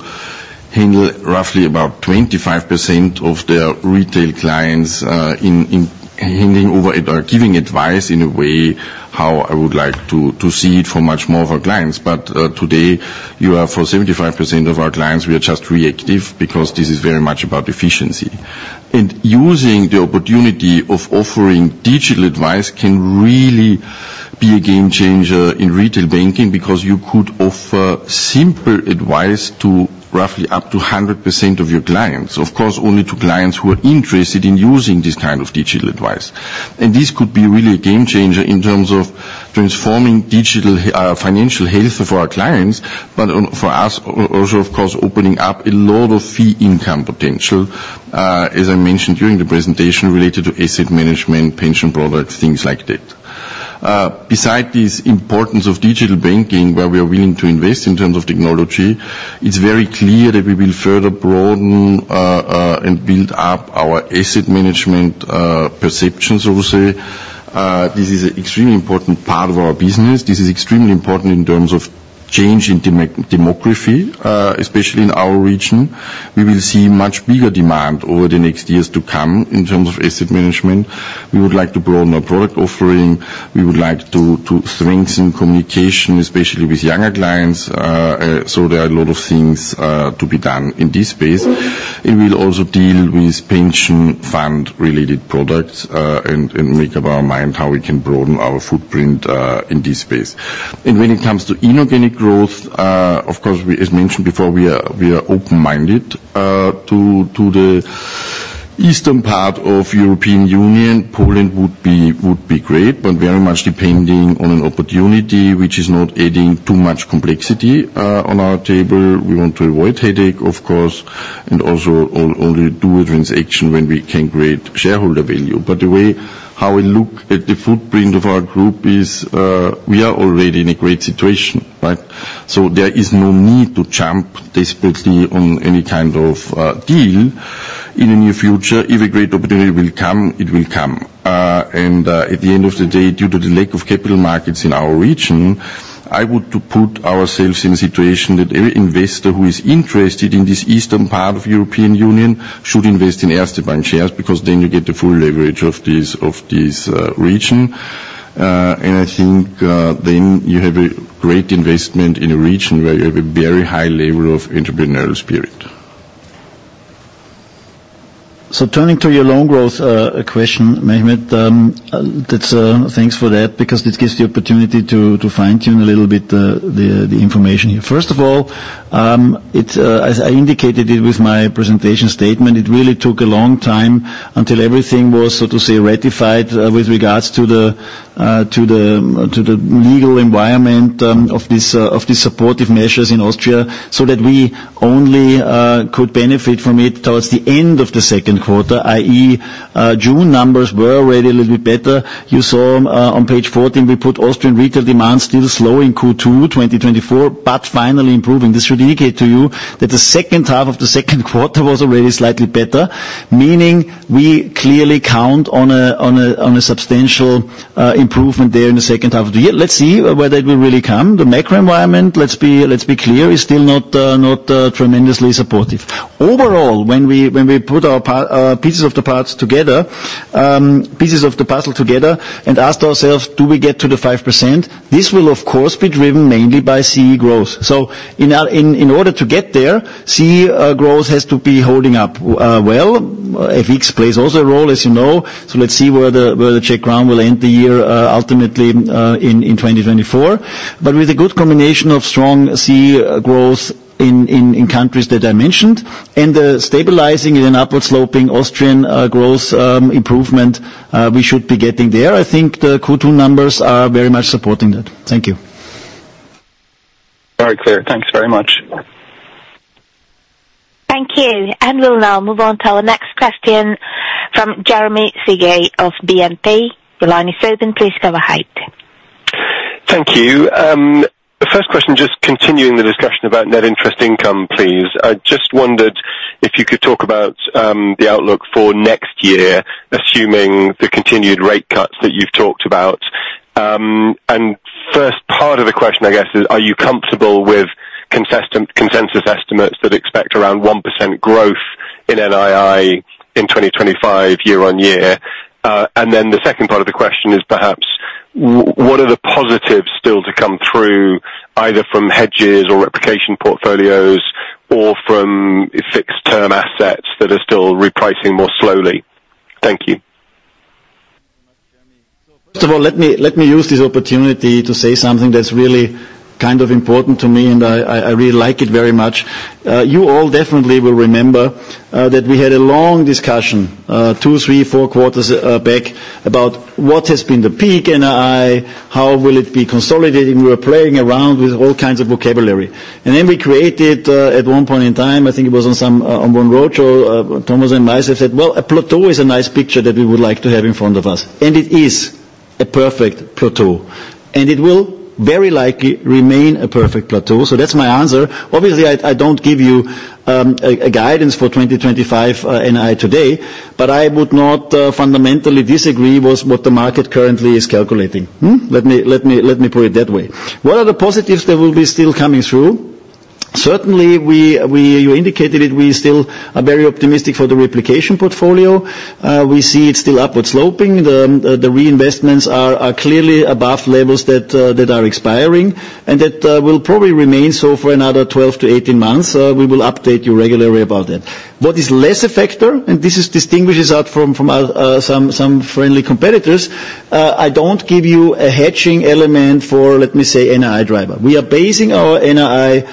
handle roughly about 25% of their retail clients in handling over it or giving advice in a way how I would like to see it for much more of our clients. But, today, for 75% of our clients, we are just reactive because this is very much about efficiency. And using the opportunity of offering digital advice can really be a game changer in retail banking, because you could offer simple advice to roughly up to 100% of your clients. Of course, only to clients who are interested in using this kind of digital advice. And this could be really a game changer in terms of transforming digital, financial health for our clients, but for us, also, of course, opening up a lot of fee income potential, as I mentioned during the presentation, related to asset management, pension products, things like that. Besides this importance of digital banking, where we are willing to invest in terms of technology, it's very clear that we will further broaden and build up our asset management presence, obviously. This is an extremely important part of our business. This is extremely important in terms of change in demography, especially in our region. We will see much bigger demand over the next years to come in terms of asset management. We would like to broaden our product offering. We would like to strengthen communication, especially with younger clients. So there are a lot of things to be done in this space. It will also deal with pension fund-related products and make up our mind how we can broaden our footprint in this space. When it comes to inorganic growth, of course, we—as mentioned before, we are open-minded to the eastern part of the European Union. Poland would be great, but very much depending on an opportunity which is not adding too much complexity on our table. We want to avoid headache, of course, and also only do a transaction when we can create shareholder value. By the way, how we look at the footprint of our group is, we are already in a great situation, right? So there is no need to jump desperately on any kind of deal in the near future. If a great opportunity will come, it will come. And, at the end of the day, due to the lack of capital markets in our region, I would to put ourselves in a situation that every investor who is interested in this eastern part of European Union should invest in Erste Bank shares, because then you get the full leverage of this, of this, region. And I think, then you have a great investment in a region where you have a very high level of entrepreneurial spirit. So turning to your loan growth question, Mehmet, that's... Thanks for that, because this gives the opportunity to fine-tune a little bit the information here. First of all, it's as I indicated it with my presentation statement, it really took a long time until everything was, so to say, ratified with regards to the legal environment of these supportive measures in Austria, so that we only could benefit from it towards the end of the second quarter, i.e., June numbers were already a little bit better. You saw on page 14, we put Austrian retail demands still slow in Q2 2024, but finally improving. This should indicate to you that the second half of the second quarter was already slightly better, meaning we clearly count on a substantial improvement there in the second half of the year. Let's see whether it will really come. The macro environment, let's be clear, is still not tremendously supportive. Overall, when we put our pieces of the puzzle together and asked ourselves: do we get to the 5%? This will, of course, be driven mainly by CEE growth. So in order to get there, CEE growth has to be holding up well. FX plays also a role, as you know, so let's see where the Czech crown will end the year ultimately in 2024. But with a good combination of strong CEE growth in countries that I mentioned, and stabilizing in an upward-sloping Austrian growth improvement, we should be getting there. I think the Q2 numbers are very much supporting that. Thank you. Very clear. Thanks very much. Thank you. We'll now move on to our next question from Jeremy Sigee of BNP. Your line is open. Please go ahead. Thank you. The first question, just continuing the discussion about net interest income, please. I just wondered if you could talk about the outlook for next year, assuming the continued rate cuts that you've talked about. And first part of the question, I guess, is: are you comfortable with consensus estimates that expect around 1% growth in NII in 2025, year-on-year? And then the second part of the question is perhaps: what are the positives still to come through, either from hedges or replication portfolios or from fixed-term assets that are still repricing more slowly? Thank you. First of all, let me use this opportunity to say something that's really kind of important to me, and I really like it very much. You all definitely will remember that we had a long discussion 2, 3, 4 quarters back about what has been the peak NII, how will it be consolidated? We were playing around with all kinds of vocabulary. And then we created at one point in time, I think it was on some on one roadshow, Thomas and myself said: "Well, a plateau is a nice picture that we would like to have in front of us." And it is a perfect plateau, and it will very likely remain a perfect plateau. So that's my answer. Obviously, I don't give you a guidance for 2025 NII today, but I would not fundamentally disagree with what the market currently is calculating. Let me put it that way. What are the positives that will be still coming through? Certainly, you indicated it, we still are very optimistic for the replication portfolio. We see it still upward sloping. The reinvestments are clearly above levels that are expiring, and that will probably remain so for another 12 months-18 months. We will update you regularly about that. What is less a factor, and this is distinguishes us from some friendly competitors, I don't give you a hedging element for, let me say, NII driver. We are basing our NII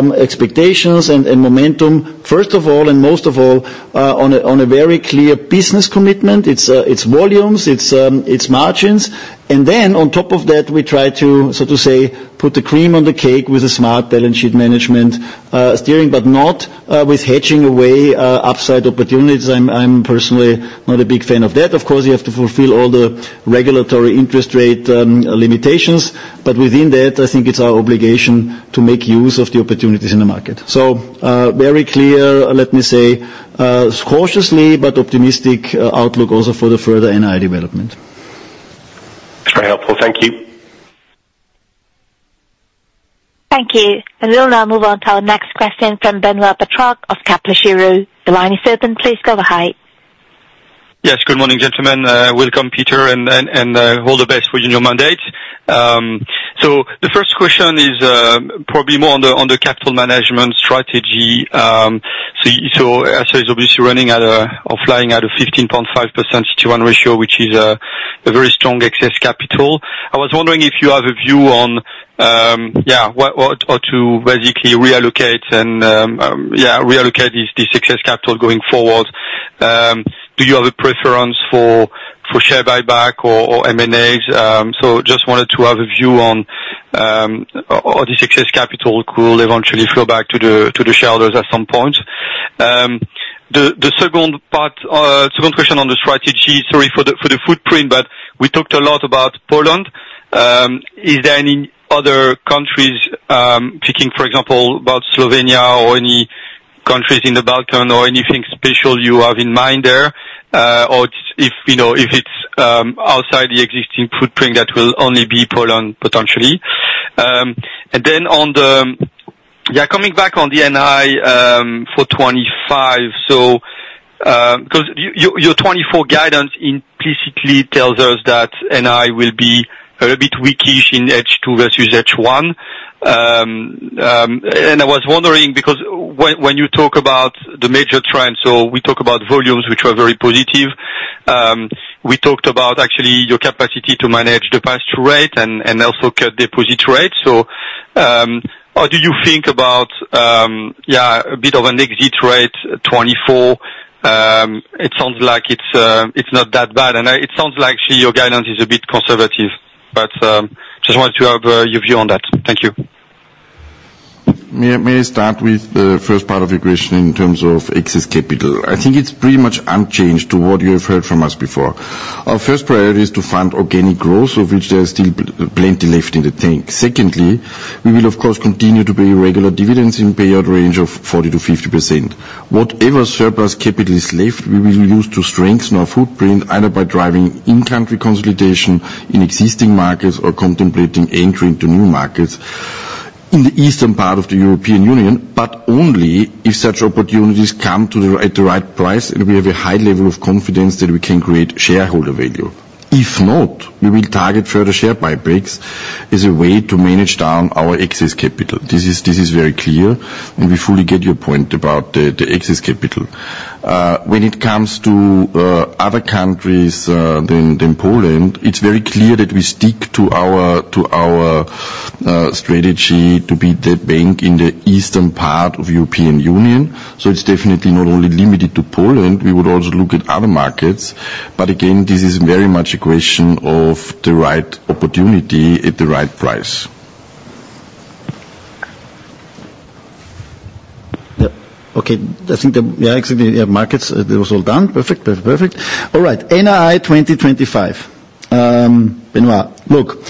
expectations and momentum, first of all, and most of all, on a very clear business commitment. It's volumes, it's margins. And then, on top of that, we try to, so to say, put the cream on the cake with a smart balance sheet management steering, but not with hedging away upside opportunities. I'm personally not a big fan of that. Of course, you have to fulfill all the regulatory interest rate limitations, but within that, I think it's our obligation to make use of the opportunities in the market. So, very clear, let me say, cautiously, but optimistic outlook also for the further NII development. Very helpful. Thank you. Thank you. We'll now move on to our next question from Benoît Pétrarque of Kepler Cheuvreux. The line is open. Please go ahead. Yes, good morning, gentlemen. Welcome, Peter, and all the best for your new mandate. So the first question is probably more on the capital management strategy. So CET1 is obviously running at a, or flying at a 15.5% Tier 1 ratio, which is a very strong excess capital. I was wondering if you have a view on to basically reallocate and reallocate this excess capital going forward. Do you have a preference for share buyback or M&As? So just wanted to have a view on the excess capital could eventually flow back to the shareholders at some point. The second part, second question on the strategy, sorry, for the footprint, but we talked a lot about Poland. Is there any other countries, thinking, for example, about Slovenia or any countries in the Balkans or anything special you have in mind there? Or if, you know, if it's outside the existing footprint, that will only be Poland, potentially. And then on the... Yeah, coming back on the NII, for 2025. So, 'cause your 2024 guidance implicitly tells us that NII will be a bit weakish in H2 versus H1. And I was wondering because when you talk about the major trends, so we talk about volumes, which are very positive, we talked about actually your capacity to manage the pass-through rate and also cut deposit rate. So, how do you think about, yeah, a bit of an exit rate 24? It sounds like it's, it's not that bad, and it sounds like your guidance is a bit conservative, but just wanted to have your view on that. Thank you. May I, may I start with the first part of your question in terms of excess capital? I think it's pretty much unchanged to what you have heard from us before. Our first priority is to fund organic growth, of which there is still plenty left in the tank. Secondly, we will of course, continue to pay regular dividends in payout range of 40%-50%. Whatever surplus capital is left, we will use to strengthen our footprint, either by driving in-country consolidation in existing markets or contemplating entering to new markets in the eastern part of the European Union, but only if such opportunities come at the right price, and we have a high level of confidence that we can create shareholder value. If not, we will target further share buybacks as a way to manage down our excess capital. This is very clear, and we fully get your point about the excess capital. When it comes to other countries than Poland, it's very clear that we stick to our strategy to be the bank in the eastern part of the European Union. So it's definitely not only limited to Poland, we would also look at other markets. But again, this is very much a question of the right opportunity at the right price. Yep. Okay. I think the, yeah, actually, yeah, markets, it was all done. Perfect, perfect. All right, NII 2025. Benoît, look,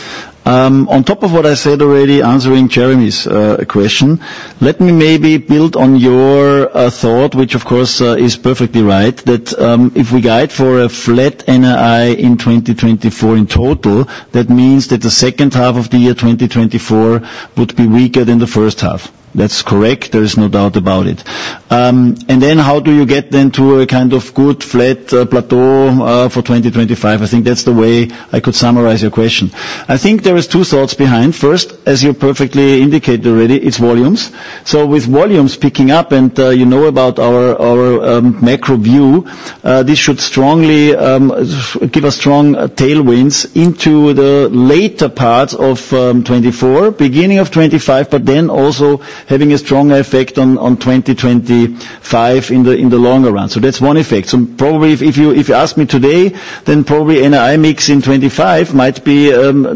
on top of what I said already, answering Jeremy's question, let me maybe build on your thought, which of course is perfectly right, that if we guide for a flat NII in 2024 in total, that means that the second half of the year, 2024, would be weaker than the first half. That's correct. There is no doubt about it. And then how do you get then to a kind of good, flat plateau for 2025? I think that's the way I could summarize your question. I think there is two thoughts behind. First, as you perfectly indicated already, it's volumes. So with volumes picking up and, you know about our, our, macro view, this should strongly give us strong tailwinds into the later parts of 2024, beginning of 2025, but then also having a strong effect on 2025 in the longer run. So that's one effect. So probably, if, if you, if you ask me today, then probably NII mix in 2025 might be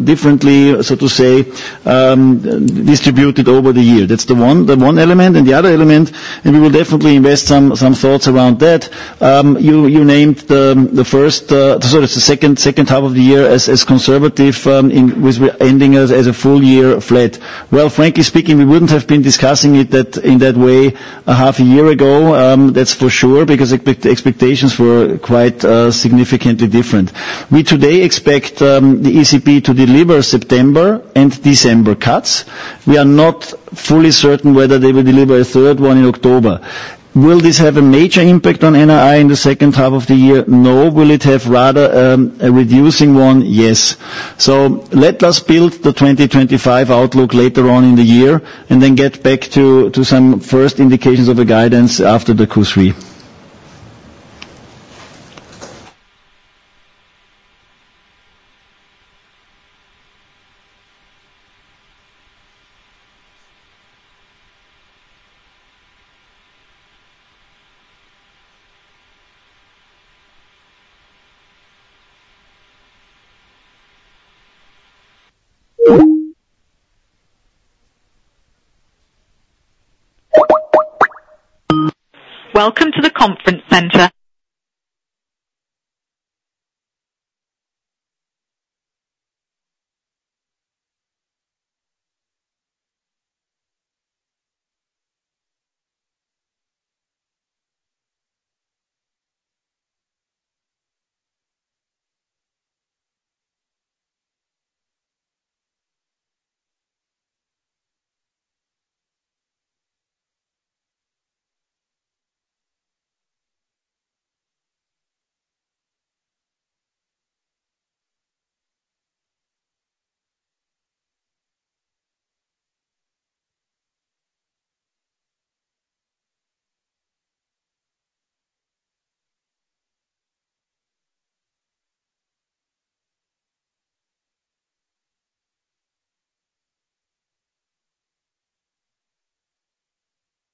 differently, so to say, distributed over the year. That's the one, the one element, and the other element, and we will definitely invest some, some thoughts around that. You, you named the, the first, sort of the second, second half of the year as, as conservative, in with ending as, as a full year flat. Well, frankly speaking, we wouldn't have been discussing it that, in that way a half a year ago, that's for sure, because expectations were quite, significantly different. We today expect, the ECB to deliver September and December cuts. We are not fully certain whether they will deliver a third one in October. Will this have a major impact on NII in the second half of the year? No. Will it have rather, a reducing one? Yes. So let us build the 2025 outlook later on in the year, and then get back to, to some first indications of the guidance after the Q3.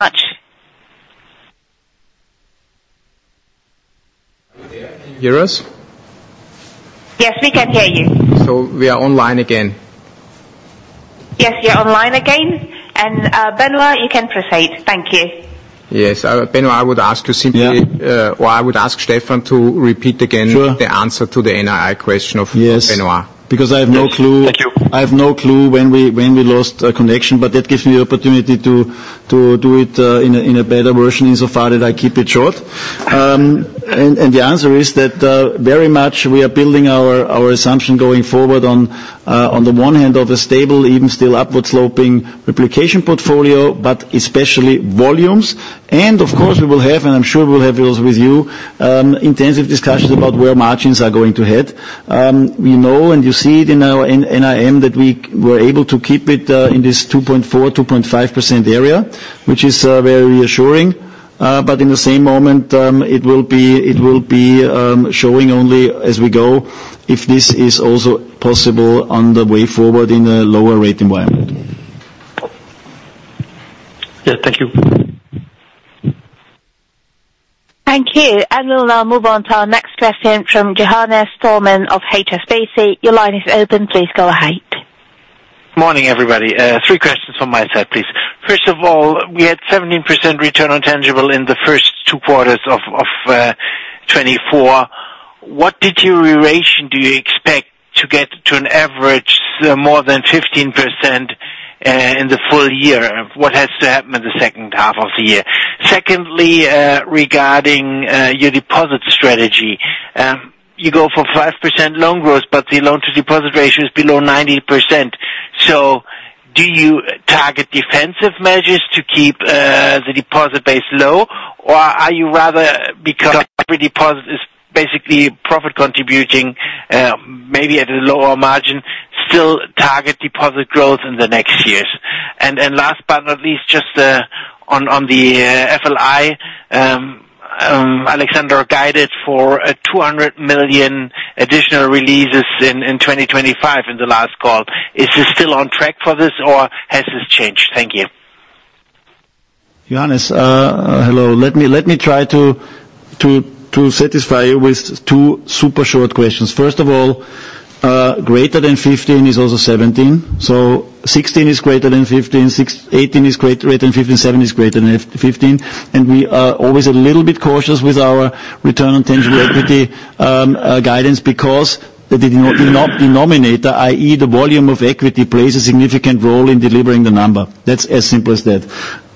Welcome to the conference center. Can you hear us? Yes, we can hear you. We are online again? Yes, you're online again, and, Benoît, you can proceed. Thank you. Yes, Benoît, I would ask you simply- Yeah. or I would ask Stefan to repeat again. Sure. - the answer to the NII question of- Yes. - Benoît. Because I have no clue- Thank you. I have no clue when we lost the connection, but that gives me the opportunity to do it in a better version, insofar that I keep it short. The answer is that very much we are building our assumption going forward on the one hand of a stable, even still upward-sloping replication portfolio, but especially volumes. Of course, we will have, and I'm sure we'll have those with you, intensive discussions about where margins are going to head. We know, and you see it in our NIM, that we were able to keep it in this 2.4%-2.5% area, which is very reassuring. But in the same moment, it will be showing only as we go, if this is also possible on the way forward in a lower rate environment. Yes, thank you. Thank you. And we'll now move on to our next question from Johannes Thormann of HSBC. Your line is open. Please go ahead. Morning, everybody. Three questions on my side, please. First of all, we had 17% return on tangible in the first two quarters of 2024. What deterioration do you expect to get to an average, more than 15%, in the full year? What has to happen in the second half of the year? Secondly, regarding your deposit strategy, you go for 5% loan growth, but the loan to deposit ratio is below 90%. So do you target defensive measures to keep the deposit base low? Or are you rather, because every deposit is basically profit contributing, maybe at a lower margin, still target deposit growth in the next years? Last but not least, just on the FLI, Alexandra guided for a 200 million additional releases in 2025 in the last call. Is this still on track for this, or has this changed? Thank you. Johannes, hello. Let me try to satisfy you with two super short questions. First of all, greater than 15% is also 17%, so 16% is greater than 15%, 18% is greater than 15%, 17% is greater than 15%, and we are always a little bit cautious with our return on tangible equity guidance, because the denominator, i.e., the volume of equity, plays a significant role in delivering the number. That's as simple as that.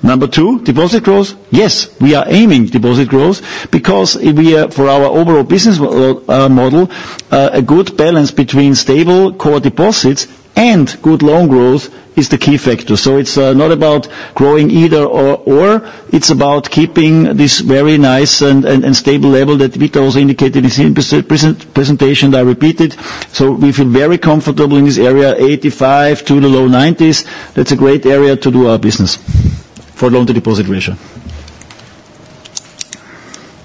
Number two, deposit growth, yes, we are aiming deposit growth because we are, for our overall business model, a good balance between stable core deposits and good loan growth is the key factor. So it's not about growing either or, it's about keeping this very nice and stable level that Peter also indicated in his presentation, I repeat it. So we feel very comfortable in this area, 85 to the low 90s. That's a great area to do our business for loan-to-deposit ratio.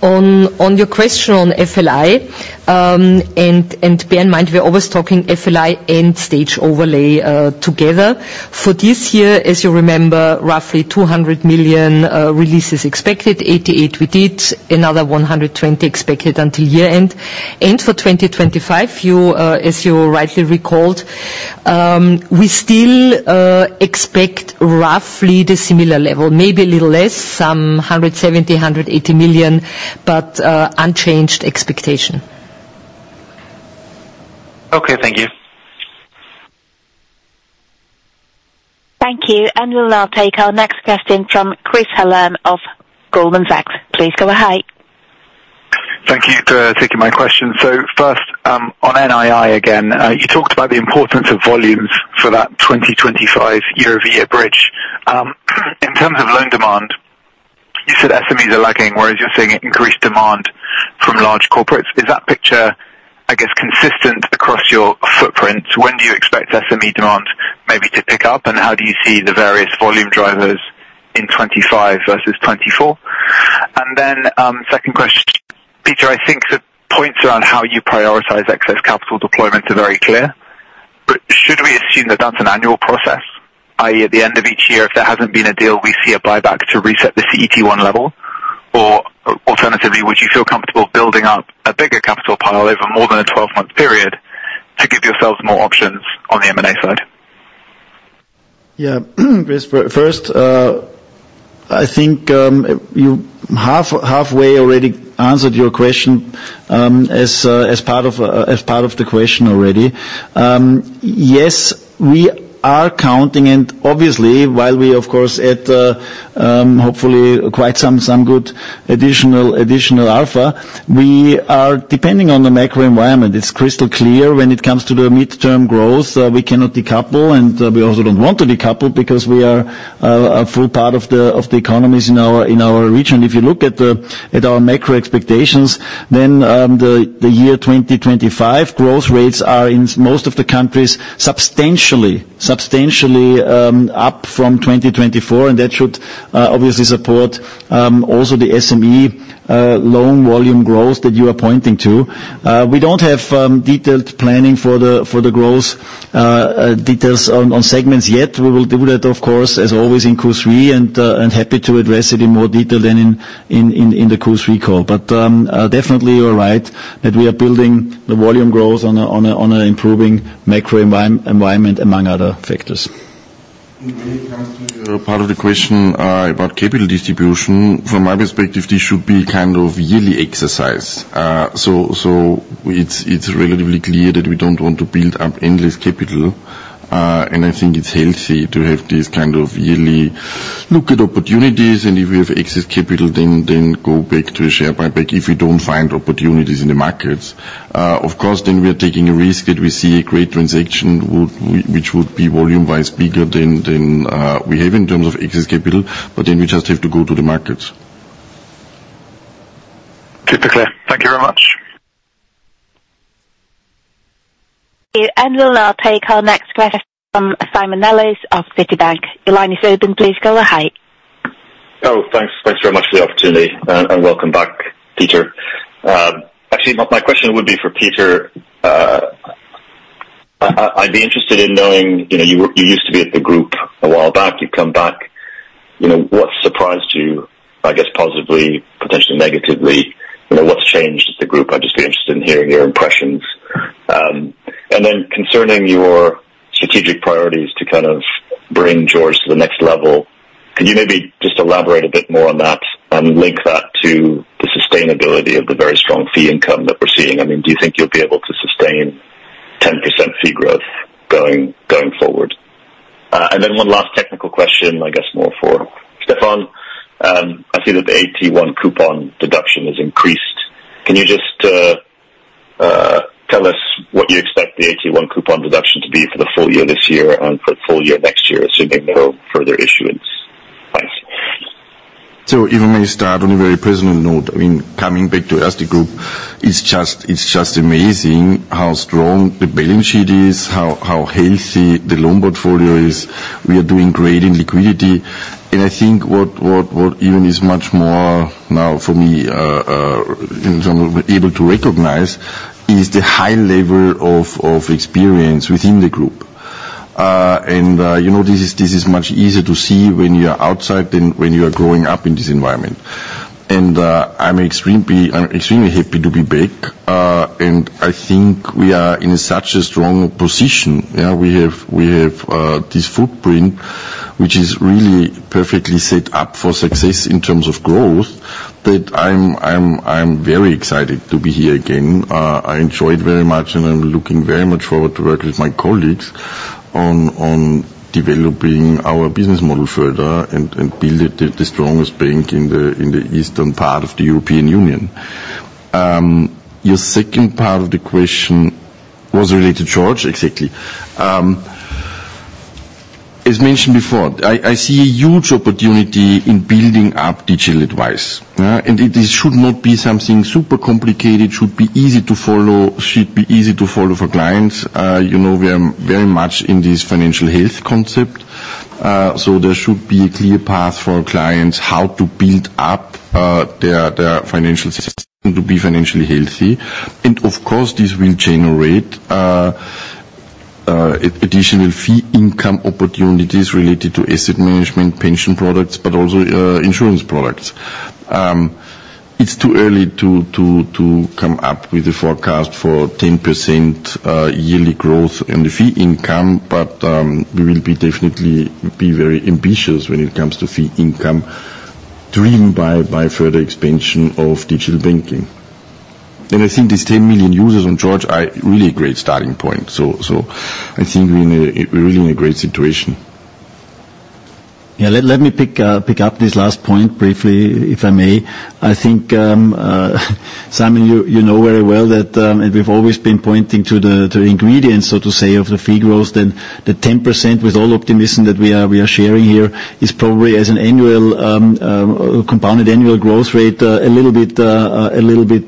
On your question on FLI, and bear in mind, we're always talking FLI and stage overlay together. For this year, as you remember, roughly 200 million releases expected, 88 million we did, another 120 million expected until year-end. For 2025, you, as you rightly recalled, we still expect roughly the similar level, maybe a little less, some 170 million-180 million, but unchanged expectation. Okay. Thank you. Thank you. We'll now take our next question from Chris Hallam of Goldman Sachs. Please go ahead. Thank you for taking my question. So first, on NII again, you talked about the importance of volumes for that 2025 year-over-year bridge. In terms of loan demand, you said SMEs are lagging, whereas you're seeing increased demand from large corporates. Is that picture, I guess, consistent across your footprint? When do you expect SME demand maybe to pick up, and how do you see the various volume drivers in 2025 versus 2024? And then, second question. So points around how you prioritize excess capital deployment are very clear. But should we assume that that's an annual process, i.e., at the end of each year, if there hasn't been a deal, we see a buyback to reset the CET1 level? Or alternatively, would you feel comfortable building up a bigger capital pile over more than a 12-month period to give yourselves more options on the M&A side? Yeah, Chris, first, I think, you have halfway already answered your question, as part of, as part of the question already. Yes, we are counting, and obviously, while we, of course, hope for quite some good additional alpha, we are depending on the macro environment. It's crystal clear when it comes to the midterm growth, we cannot decouple, and we also don't want to decouple because we are a full part of the economies in our region. If you look at our macro expectations, then, the year 2025 growth rates are in most of the countries, substantially up from 2024, and that should obviously support also the SME loan volume growth that you are pointing to. We don't have detailed planning for the growth details on segments yet. We will do that, of course, as always, in Q3, and happy to address it in more detail than in the Q3 call. But definitely, you're right, that we are building the volume growth on an improving macro environment, among other factors. When it comes to the part of the question, about capital distribution, from my perspective, this should be kind of yearly exercise. So it's relatively clear that we don't want to build up endless capital, and I think it's healthy to have this kind of yearly look at opportunities, and if we have excess capital, then go back to a share buyback if we don't find opportunities in the markets. Of course, then we are taking a risk that we see a great transaction would, which would be volume-wise bigger than we have in terms of excess capital, but then we just have to go to the markets. Super clear. Thank you very much. We will now take our next question from Simon Nellis of Citibank. Your line is open. Please go ahead. Oh, thanks. Thanks very much for the opportunity, and welcome back, Peter. Actually, my question would be for Peter. I'd be interested in knowing, you know, you were—you used to be at the group a while back. You've come back. You know, what surprised you, I guess positively, potentially negatively? You know, what's changed at the group? I'd just be interested in hearing your impressions. And then concerning your strategic priorities to kind of bring George to the next level, can you maybe just elaborate a bit more on that and link that to the sustainability of the very strong fee income that we're seeing? I mean, do you think you'll be able to sustain 10% fee growth going forward? And then one last technical question, I guess, more for Stefan. I see that the AT1 coupon deduction has increased. Can you just tell us what you expect the AT1 coupon deduction to be for the full year this year and for full year next year, assuming no further issuance? Thanks. So if I may start on a very personal note, I mean, coming back to Erste Group, it's just amazing how strong the balance sheet is, how healthy the loan portfolio is. We are doing great in liquidity, and I think what even is much more now for me in terms of able to recognize is the high level of experience within the group. And you know, this is much easier to see when you are outside than when you are growing up in this environment. And I'm extremely happy to be back, and I think we are in such a strong position. Yeah, we have this footprint, which is really perfectly set up for success in terms of growth, but I'm very excited to be here again. I enjoy it very much, and I'm looking very much forward to work with my colleagues on developing our business model further and build it the strongest bank in the eastern part of the European Union. Your second part of the question was related to George, exactly. As mentioned before, I see a huge opportunity in building up digital advice, and it should not be something super complicated, should be easy to follow, should be easy to follow for clients. You know, we are very much in this financial health concept, so there should be a clear path for our clients how to build up their financial system to be financially healthy. And of course, this will generate additional fee income opportunities related to asset management, pension products, but also insurance products. It's too early to come up with a forecast for 10% yearly growth in the fee income, but we will be definitely be very ambitious when it comes to fee income, driven by further expansion of digital banking. And I think these 10 million users on George are really a great starting point, so I think we're really in a great situation. Yeah, let me pick up this last point briefly, if I may. I think, Simon, you know very well that, and we've always been pointing to the ingredients, so to say, of the fee growth, then the 10% with all optimism that we are sharing here is probably as an annual, compounded annual growth rate, a little bit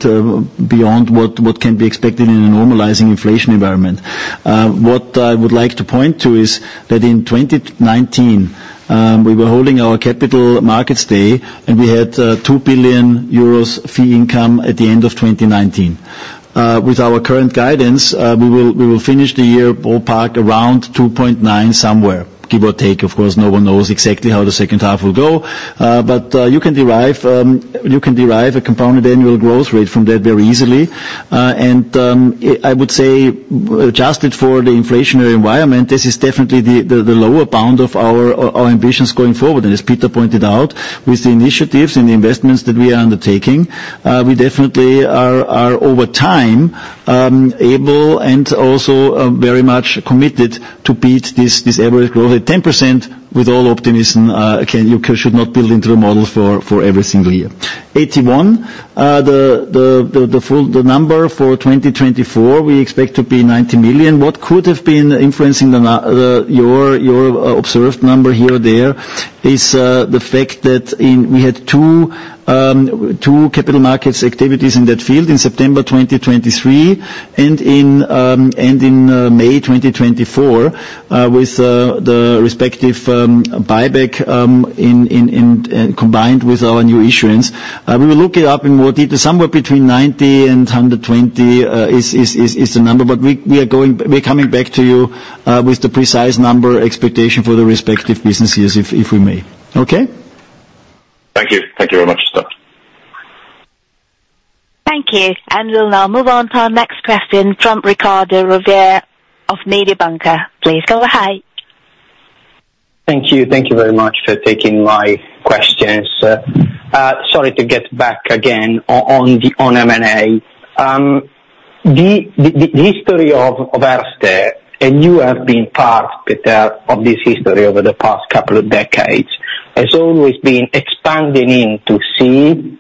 beyond what can be expected in a normalizing inflation environment. What I would like to point to is that in 2019, we were holding our capital markets day, and we had 2 billion euros fee income at the end of 2019. With our current guidance, we will finish the year ballpark around 2.9 billion somewhere, give or take. Of course, no one knows exactly how the second half will go, but you can derive a compound annual growth rate from that very easily. And I would say, adjusted for the inflationary environment, this is definitely the lower bound of our ambitions going forward. And as Peter pointed out, with the initiatives and the investments that we are undertaking, we definitely are over time able and also very much committed to beat this average growth at 10% with all optimism. Again, you should not build into a model for every single year. AT1, the full number for 2024, we expect to be 90 million. What could have been influencing the number you observed here or there is the fact that we had two capital markets activities in that field, in September 2023, and in May 2024, with the respective buyback combined with our new issuance. We will look it up in more detail. Somewhere between 90 and 120 is a number, but we're coming back to you with the precise number expectation for the respective business years, if we may. Okay? Thank you. Thank you very much. Stef. Thank you. We'll now move on to our next question from Riccardo Rovere of Mediobanca. Please go ahead. Thank you. Thank you very much for taking my questions. Sorry to get back again on the, on M&A. The history of Erste, and you have been part, Peter, of this history over the past couple of decades, has always been expanding into CEE,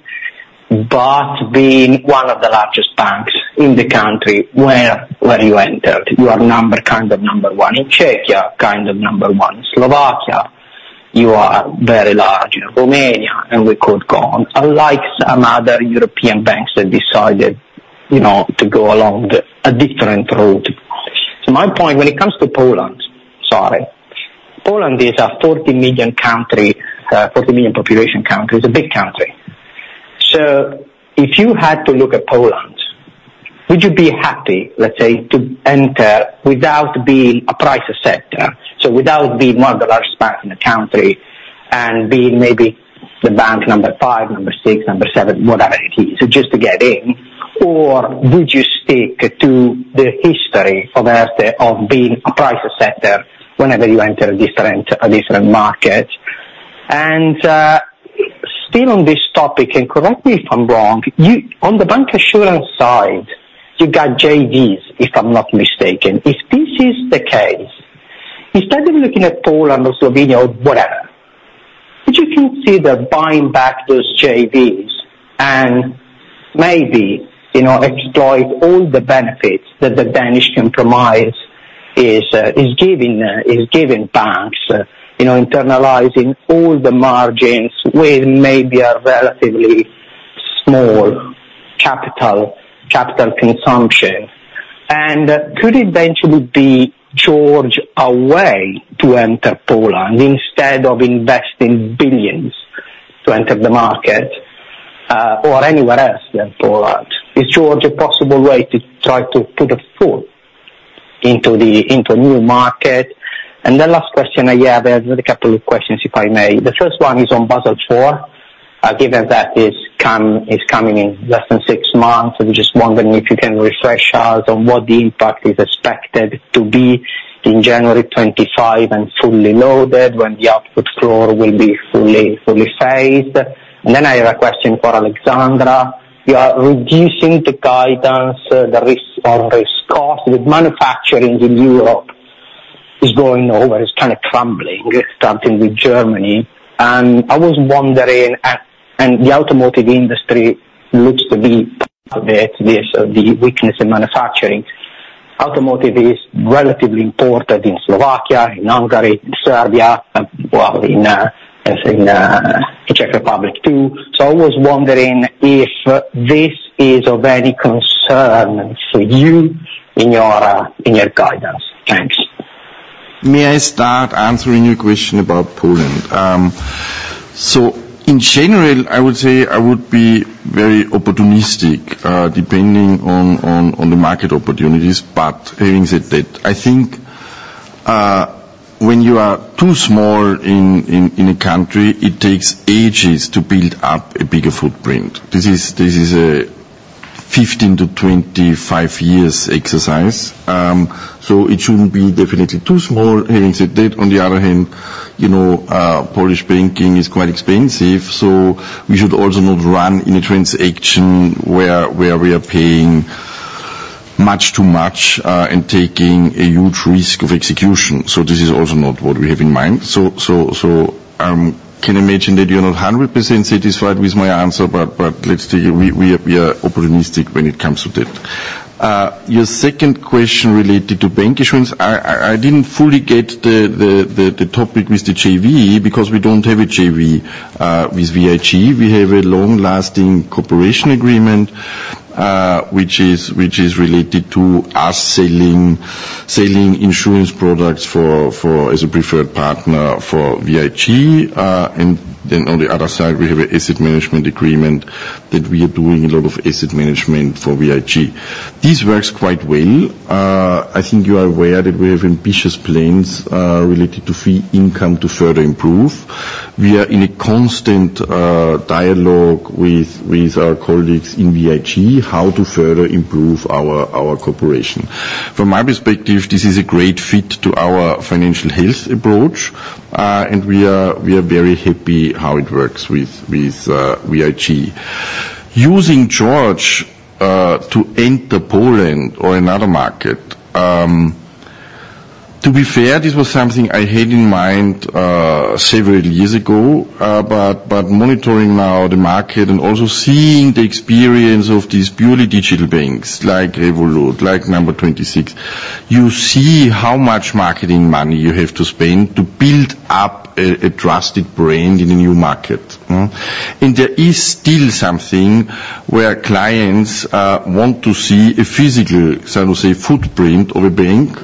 but being one of the largest banks in the country where you entered. You are number, kind of number one in Czechia, kind of number one in Slovakia. You are very large in Romania, and we could go on, unlike some other European banks that decided, you know, to go along the, a different road. So my point when it comes to Poland, sorry, Poland is a 40 million country, 40 million population country, it's a big country. So if you had to look at Poland, would you be happy, let's say, to enter without being a price setter? So without being one of the largest banks in the country and being maybe the bank number 5, number 6, number 7, whatever it is, so just to get in. Or would you stick to the history of Erste of being a price setter whenever you enter a different, a different market? And still on this topic, and correct me if I'm wrong, you on the bancassurance side, you got JVs, if I'm not mistaken. If this is the case, instead of looking at Poland or Slovenia or whatever, would you consider buying back those JVs and maybe, you know, exploit all the benefits that the Danish compromise is giving banks, you know, internalizing all the margins with maybe a relatively small capital, capital consumption? And could it eventually be George a way to enter Poland, instead of investing billions to enter the market, or anywhere else than Poland? Is George a possible way to try to put a foot into the, into a new market? And the last question I have, there's a couple of questions, if I may. The first one is on Basel IV. Given that it's come, it's coming in less than six months, I'm just wondering if you can refresh us on what the impact is expected to be in January 2025 and fully loaded when the output floor will be fully, fully phased. And then I have a question for Alexandra. You are reducing the guidance, the risk on risk cost. With manufacturing in Europe is going over, it's kind of crumbling, starting with Germany. And I was wondering, and the automotive industry looks to be, the weakness in manufacturing. Automotive is relatively important in Slovakia, in Hungary, in Serbia, and well, in, in, Czech Republic, too. So I was wondering if this is of any concern to you in your, in your guidance. Thanks. May I start answering your question about Poland? So in general, I would say I would be very opportunistic, depending on the market opportunities. But having said that, I think, when you are too small in a country, it takes ages to build up a bigger footprint. This is a 15 years-25 years exercise, so it shouldn't be definitely too small. Having said that, on the other hand, you know, Polish banking is quite expensive, so we should also not run in a transaction where we are paying much too much, and taking a huge risk of execution. So this is also not what we have in mind. Can I imagine that you're not 100% satisfied with my answer, but let's take it, we are opportunistic when it comes to that. Your second question related to bancassurance. I didn't fully get the topic with the JV, because we don't have a JV with VIG. We have a long-lasting cooperation agreement.... which is, which is related to us selling, selling insurance products for, for as a preferred partner for VIG. And then on the other side, we have an asset management agreement that we are doing a lot of asset management for VIG. This works quite well. I think you are aware that we have ambitious plans, related to fee income to further improve. We are in a constant, dialogue with, with our colleagues in VIG, how to further improve our, our cooperation. From my perspective, this is a great fit to our financial health approach, and we are, we are very happy how it works with, with, VIG. Using George, to enter Poland or another market, to be fair, this was something I had in mind, several years ago. But monitoring now the market and also seeing the experience of these purely digital banks, like Revolut, like N26, you see how much marketing money you have to spend to build up a trusted brand in a new market? And there is still something where clients want to see a physical, so to say, footprint of a bank.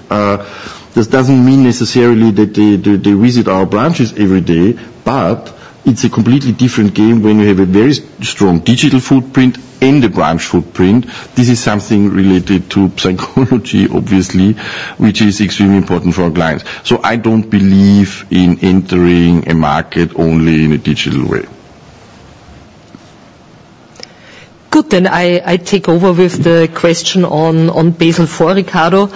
This doesn't mean necessarily that they visit our branches every day, but it's a completely different game when you have a very strong digital footprint and a branch footprint. This is something related to psychology, obviously, which is extremely important for our clients. So I don't believe in entering a market only in a digital way. Good. Then I take over with the question on Basel IV, Riccardo.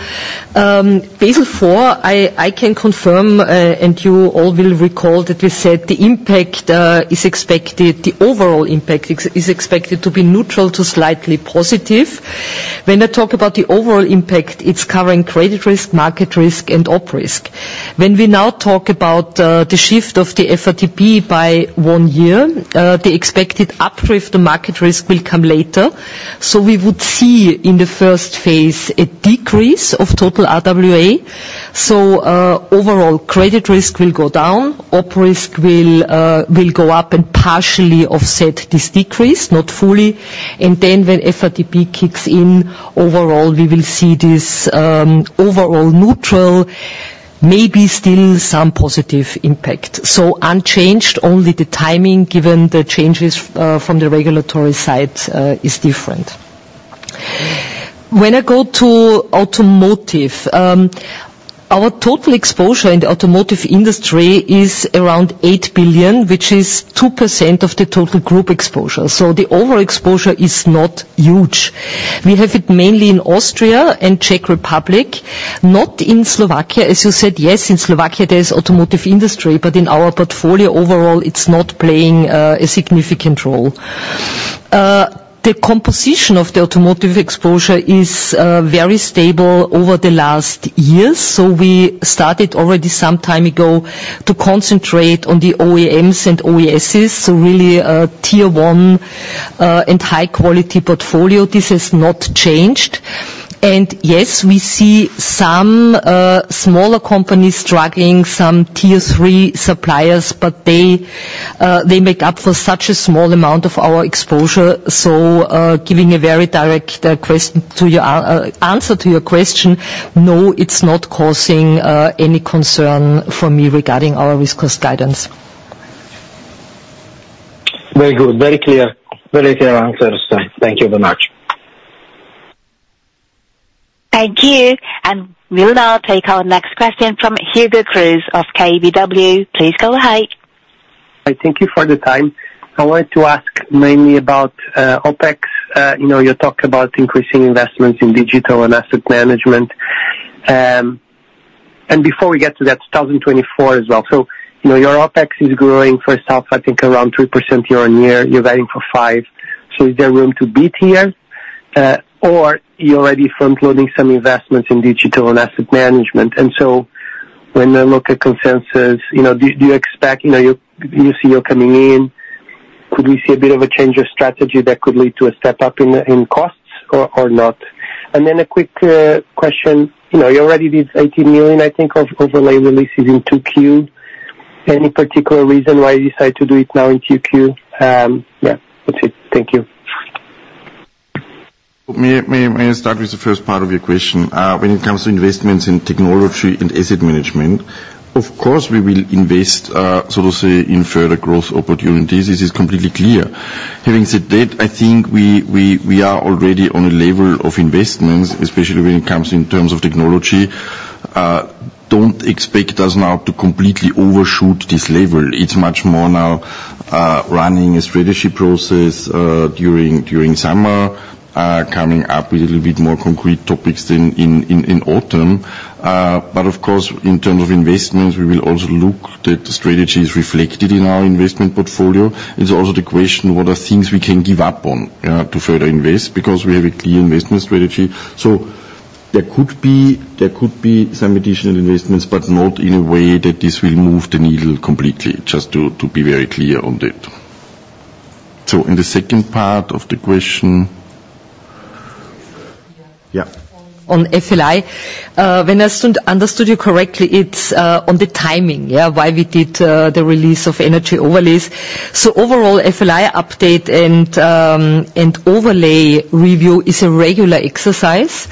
Basel IV, I can confirm, and you all will recall, that we said the impact is expected, the overall impact is expected to be neutral to slightly positive. When I talk about the overall impact, it's covering credit risk, market risk and op risk. When we now talk about the shift of the FRTB by one year, the expected uplift, the market risk will come later. So we would see in the first phase a decrease of total RWA. So, overall, credit risk will go down. Op risk will go up and partially offset this decrease, not fully. And then when FRTB kicks in, overall, we will see this overall neutral, maybe still some positive impact. So unchanged, only the timing, given the changes, from the regulatory side, is different. When I go to automotive, our total exposure in the automotive industry is around 8 billion, which is 2% of the total group exposure. So the overall exposure is not huge. We have it mainly in Austria and Czech Republic, not in Slovakia. As you said, yes, in Slovakia, there is automotive industry, but in our portfolio overall, it's not playing a significant role. The composition of the automotive exposure is very stable over the last years, so we started already some time ago to concentrate on the OEMs and OESs, so really a Tier 1 and high quality portfolio. This has not changed. Yes, we see some smaller companies struggling, some Tier 3 suppliers, but they make up for such a small amount of our exposure. So, giving a very direct answer to your question, no, it's not causing any concern for me regarding our risk cost guidance. Very good. Very clear. Very clear answers. Thank you very much. Thank you. We'll now take our next question from Hugo Cruz of KBW. Please go ahead. Hi, thank you for the time. I wanted to ask mainly about OpEx. You know, you talk about increasing investments in digital and asset management. And before we get to that, 2024 as well. So, you know, your OpEx is growing, first half, I think around 3% year-on-year. You're guiding for 5%. So is there room to beat here, or you're already front-loading some investments in digital and asset management? And so when I look at consensus, you know, do you expect... You know, you see you're coming in, could we see a bit of a change of strategy that could lead to a step up in costs or not? And then a quick question. You know, you already did 80 million, I think, of overlay releases in 2Q. Any particular reason why you decided to do it now in 2Q? Yeah, that's it. Thank you. May I start with the first part of your question? When it comes to investments in technology and asset management, of course, we will invest, so to say, in further growth opportunities. This is completely clear. Having said that, I think we are already on a level of investments, especially when it comes in terms of technology. Don't expect us now to completely overshoot this level. It's much more now, running a strategy process, during summer, coming up with a little bit more concrete topics in autumn. But of course, in terms of investments, we will also look that the strategy is reflected in our investment portfolio. It's also the question, what are things we can give up on, to further invest? Because we have a clear investment strategy. So there could be, there could be some additional investments, but not in a way that this will move the needle completely, just to, to be very clear on that. So in the second part of the question? ...On FLI, when I understood you correctly, it's on the timing, yeah, why we did the release of energy overlays. So overall, FLI update and overlay review is a regular exercise,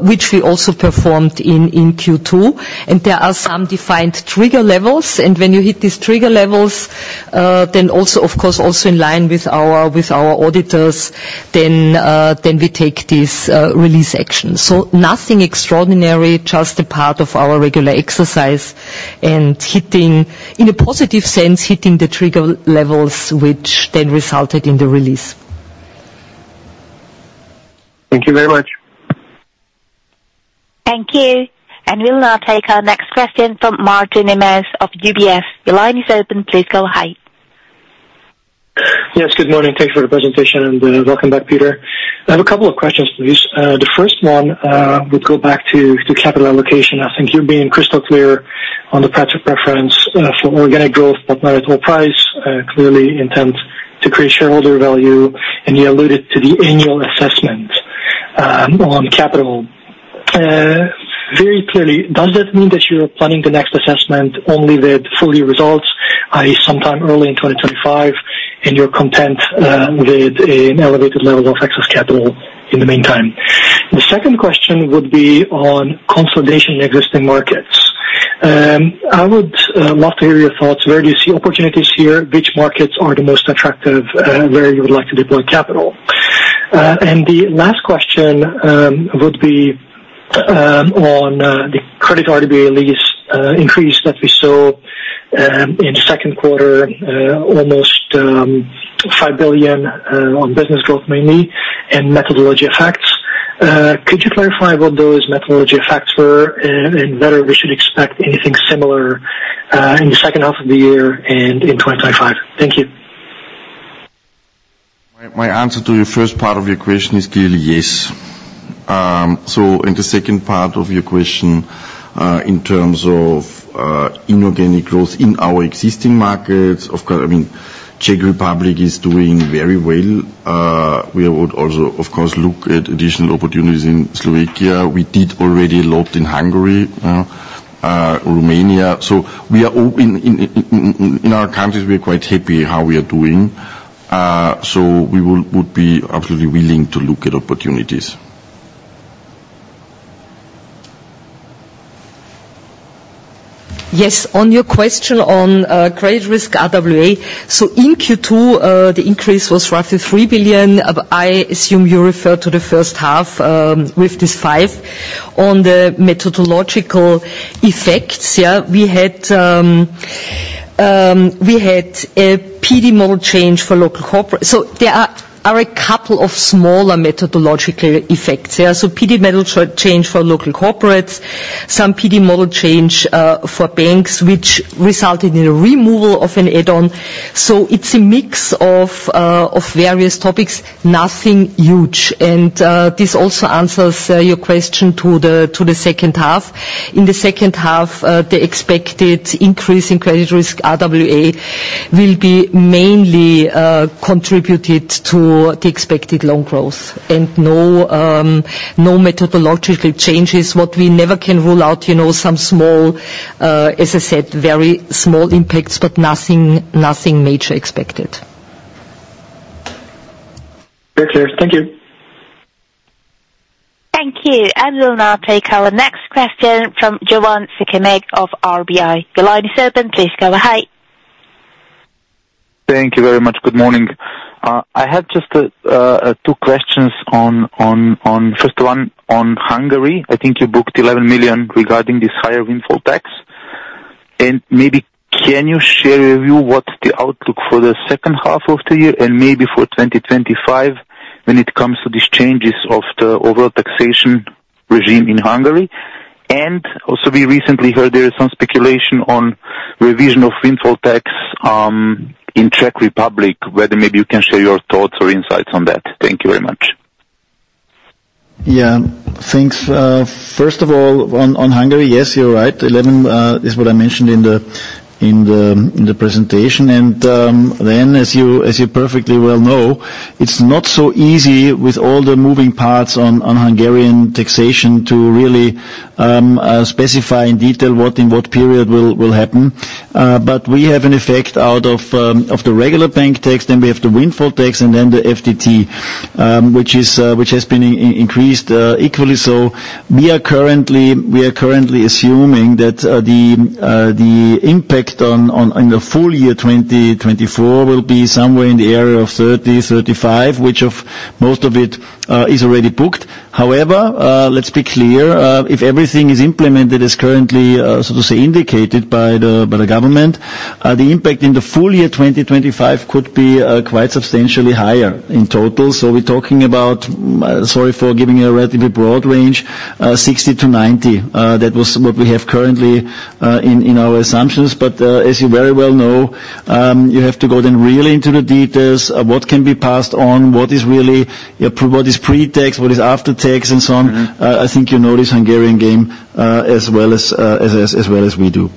which we also performed in Q2, and there are some defined trigger levels, and when you hit these trigger levels, then also, of course, in line with our auditors, then we take this release action. So nothing extraordinary, just a part of our regular exercise and hitting, in a positive sense, hitting the trigger levels, which then resulted in the release. Thank you very much. Thank you. We'll now take our next question from Mate Nemes of UBS. Your line is open. Please go ahead. Yes, good morning. Thank you for the presentation, and welcome back, Peter. I have a couple of questions, please. The first one would go back to capital allocation. I think you're being crystal clear on the project preference for organic growth, but not at any price, clearly intent to create shareholder value, and you alluded to the annual assessment on capital. Very clearly, does that mean that you're planning the next assessment only with full-year results, i.e., sometime early in 2025, and you're content with an elevated level of excess capital in the meantime? The second question would be on consolidation in existing markets. I would love to hear your thoughts. Where do you see opportunities here? Which markets are the most attractive where you would like to deploy capital? The last question would be on the credit RWA release increase that we saw in the second quarter, almost 5 billion on business growth mainly, and methodology effects. Could you clarify what those methodology effects were, and whether we should expect anything similar in the second half of the year and in 2025? Thank you. My answer to your first part of your question is clearly yes. So in the second part of your question, in terms of inorganic growth in our existing markets, of course, I mean, Czech Republic is doing very well. We would also, of course, look at additional opportunities in Slovakia. We did already a lot in Hungary, Romania. So we are open in our countries, we are quite happy how we are doing. So we would be absolutely willing to look at opportunities. Yes, on your question on credit risk RWA, so in Q2, the increase was roughly 3 billion. But I assume you refer to the first half, with this 5. On the methodological effects, yeah, we had a PD model change for local corporate. So there are a couple of smaller methodological effects. Yeah, so PD model change for local corporates, some PD model change for banks, which resulted in a removal of an add-on. So it's a mix of various topics, nothing huge. And this also answers your question to the second half. In the second half, the expected increase in credit risk RWA will be mainly contributed to the expected loan growth and no methodological changes. What we never can rule out, you know, some small, as I said, very small impacts, but nothing, nothing major expected. Very clear. Thank you. Thank you. We'll now take our next question from Jovan Sikimic of RBI. Your line is open. Please go ahead. Thank you very much. Good morning. I had just two questions. First one, on Hungary. I think you booked 11 million regarding this higher windfall tax. And maybe can you share with you what's the outlook for the second half of the year and maybe for 2025 when it comes to these changes of the overall taxation regime in Hungary? And also, we recently heard there is some speculation on revision of windfall tax in Czech Republic, whether maybe you can share your thoughts or insights on that. Thank you very much. Yeah. Thanks. First of all, on Hungary, yes, you're right. 11 is what I mentioned in the presentation. And then, as you perfectly well know, it's not so easy with all the moving parts on Hungarian taxation to really specify in detail what in what period will happen. But we have an effect out of the regular bank tax, then we have the windfall tax, and then the FTT, which has been increased equally. So we are currently assuming that the impact on the full year 2024 will be somewhere in the area of 30-35, which of most of it is already booked. However, let's be clear, if everything is implemented as currently, so to say, indicated by the government, the impact in the full year 2025 could be quite substantially higher in total. So we're talking about, sorry for giving you a relatively broad range, 60-90. That was what we have currently in our assumptions. But, as you very well know, you have to go then really into the details of what can be passed on, what is really what is pre-tax, what is after tax, and so on. I think you know this Hungarian game as well as we do.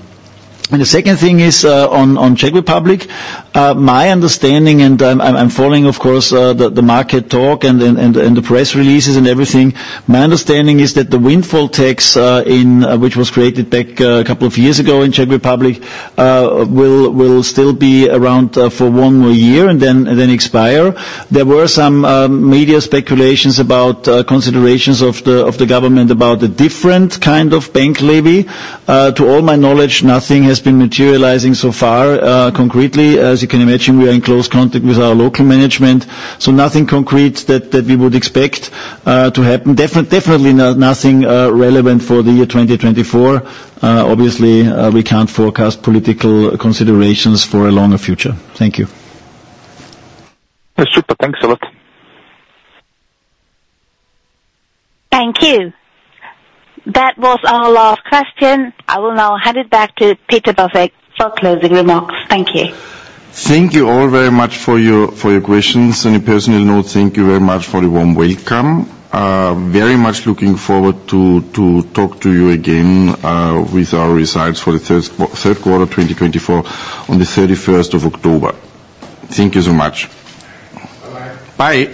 And the second thing is on Czech Republic. My understanding, and I'm following, of course, the market talk and then the press releases and everything. My understanding is that the windfall tax, which was created back a couple of years ago in Czech Republic, will still be around for one more year and then expire. There were some media speculations about considerations of the government about the different kind of bank levy. To all my knowledge, nothing has been materializing so far, concretely. As you can imagine, we are in close contact with our local management, so nothing concrete that we would expect to happen. Definitely, no, nothing relevant for the year 2024. Obviously, we can't forecast political considerations for a longer future. Thank you. That's super. Thanks a lot. Thank you. That was our last question. I will now hand it back to Peter Bosek for closing remarks. Thank you. Thank you all very much for your questions. On a personal note, thank you very much for the warm welcome. Very much looking forward to talk to you again with our results for the third quarter of 2024 on the 31st of October. Thank you so much. Bye-bye. Bye.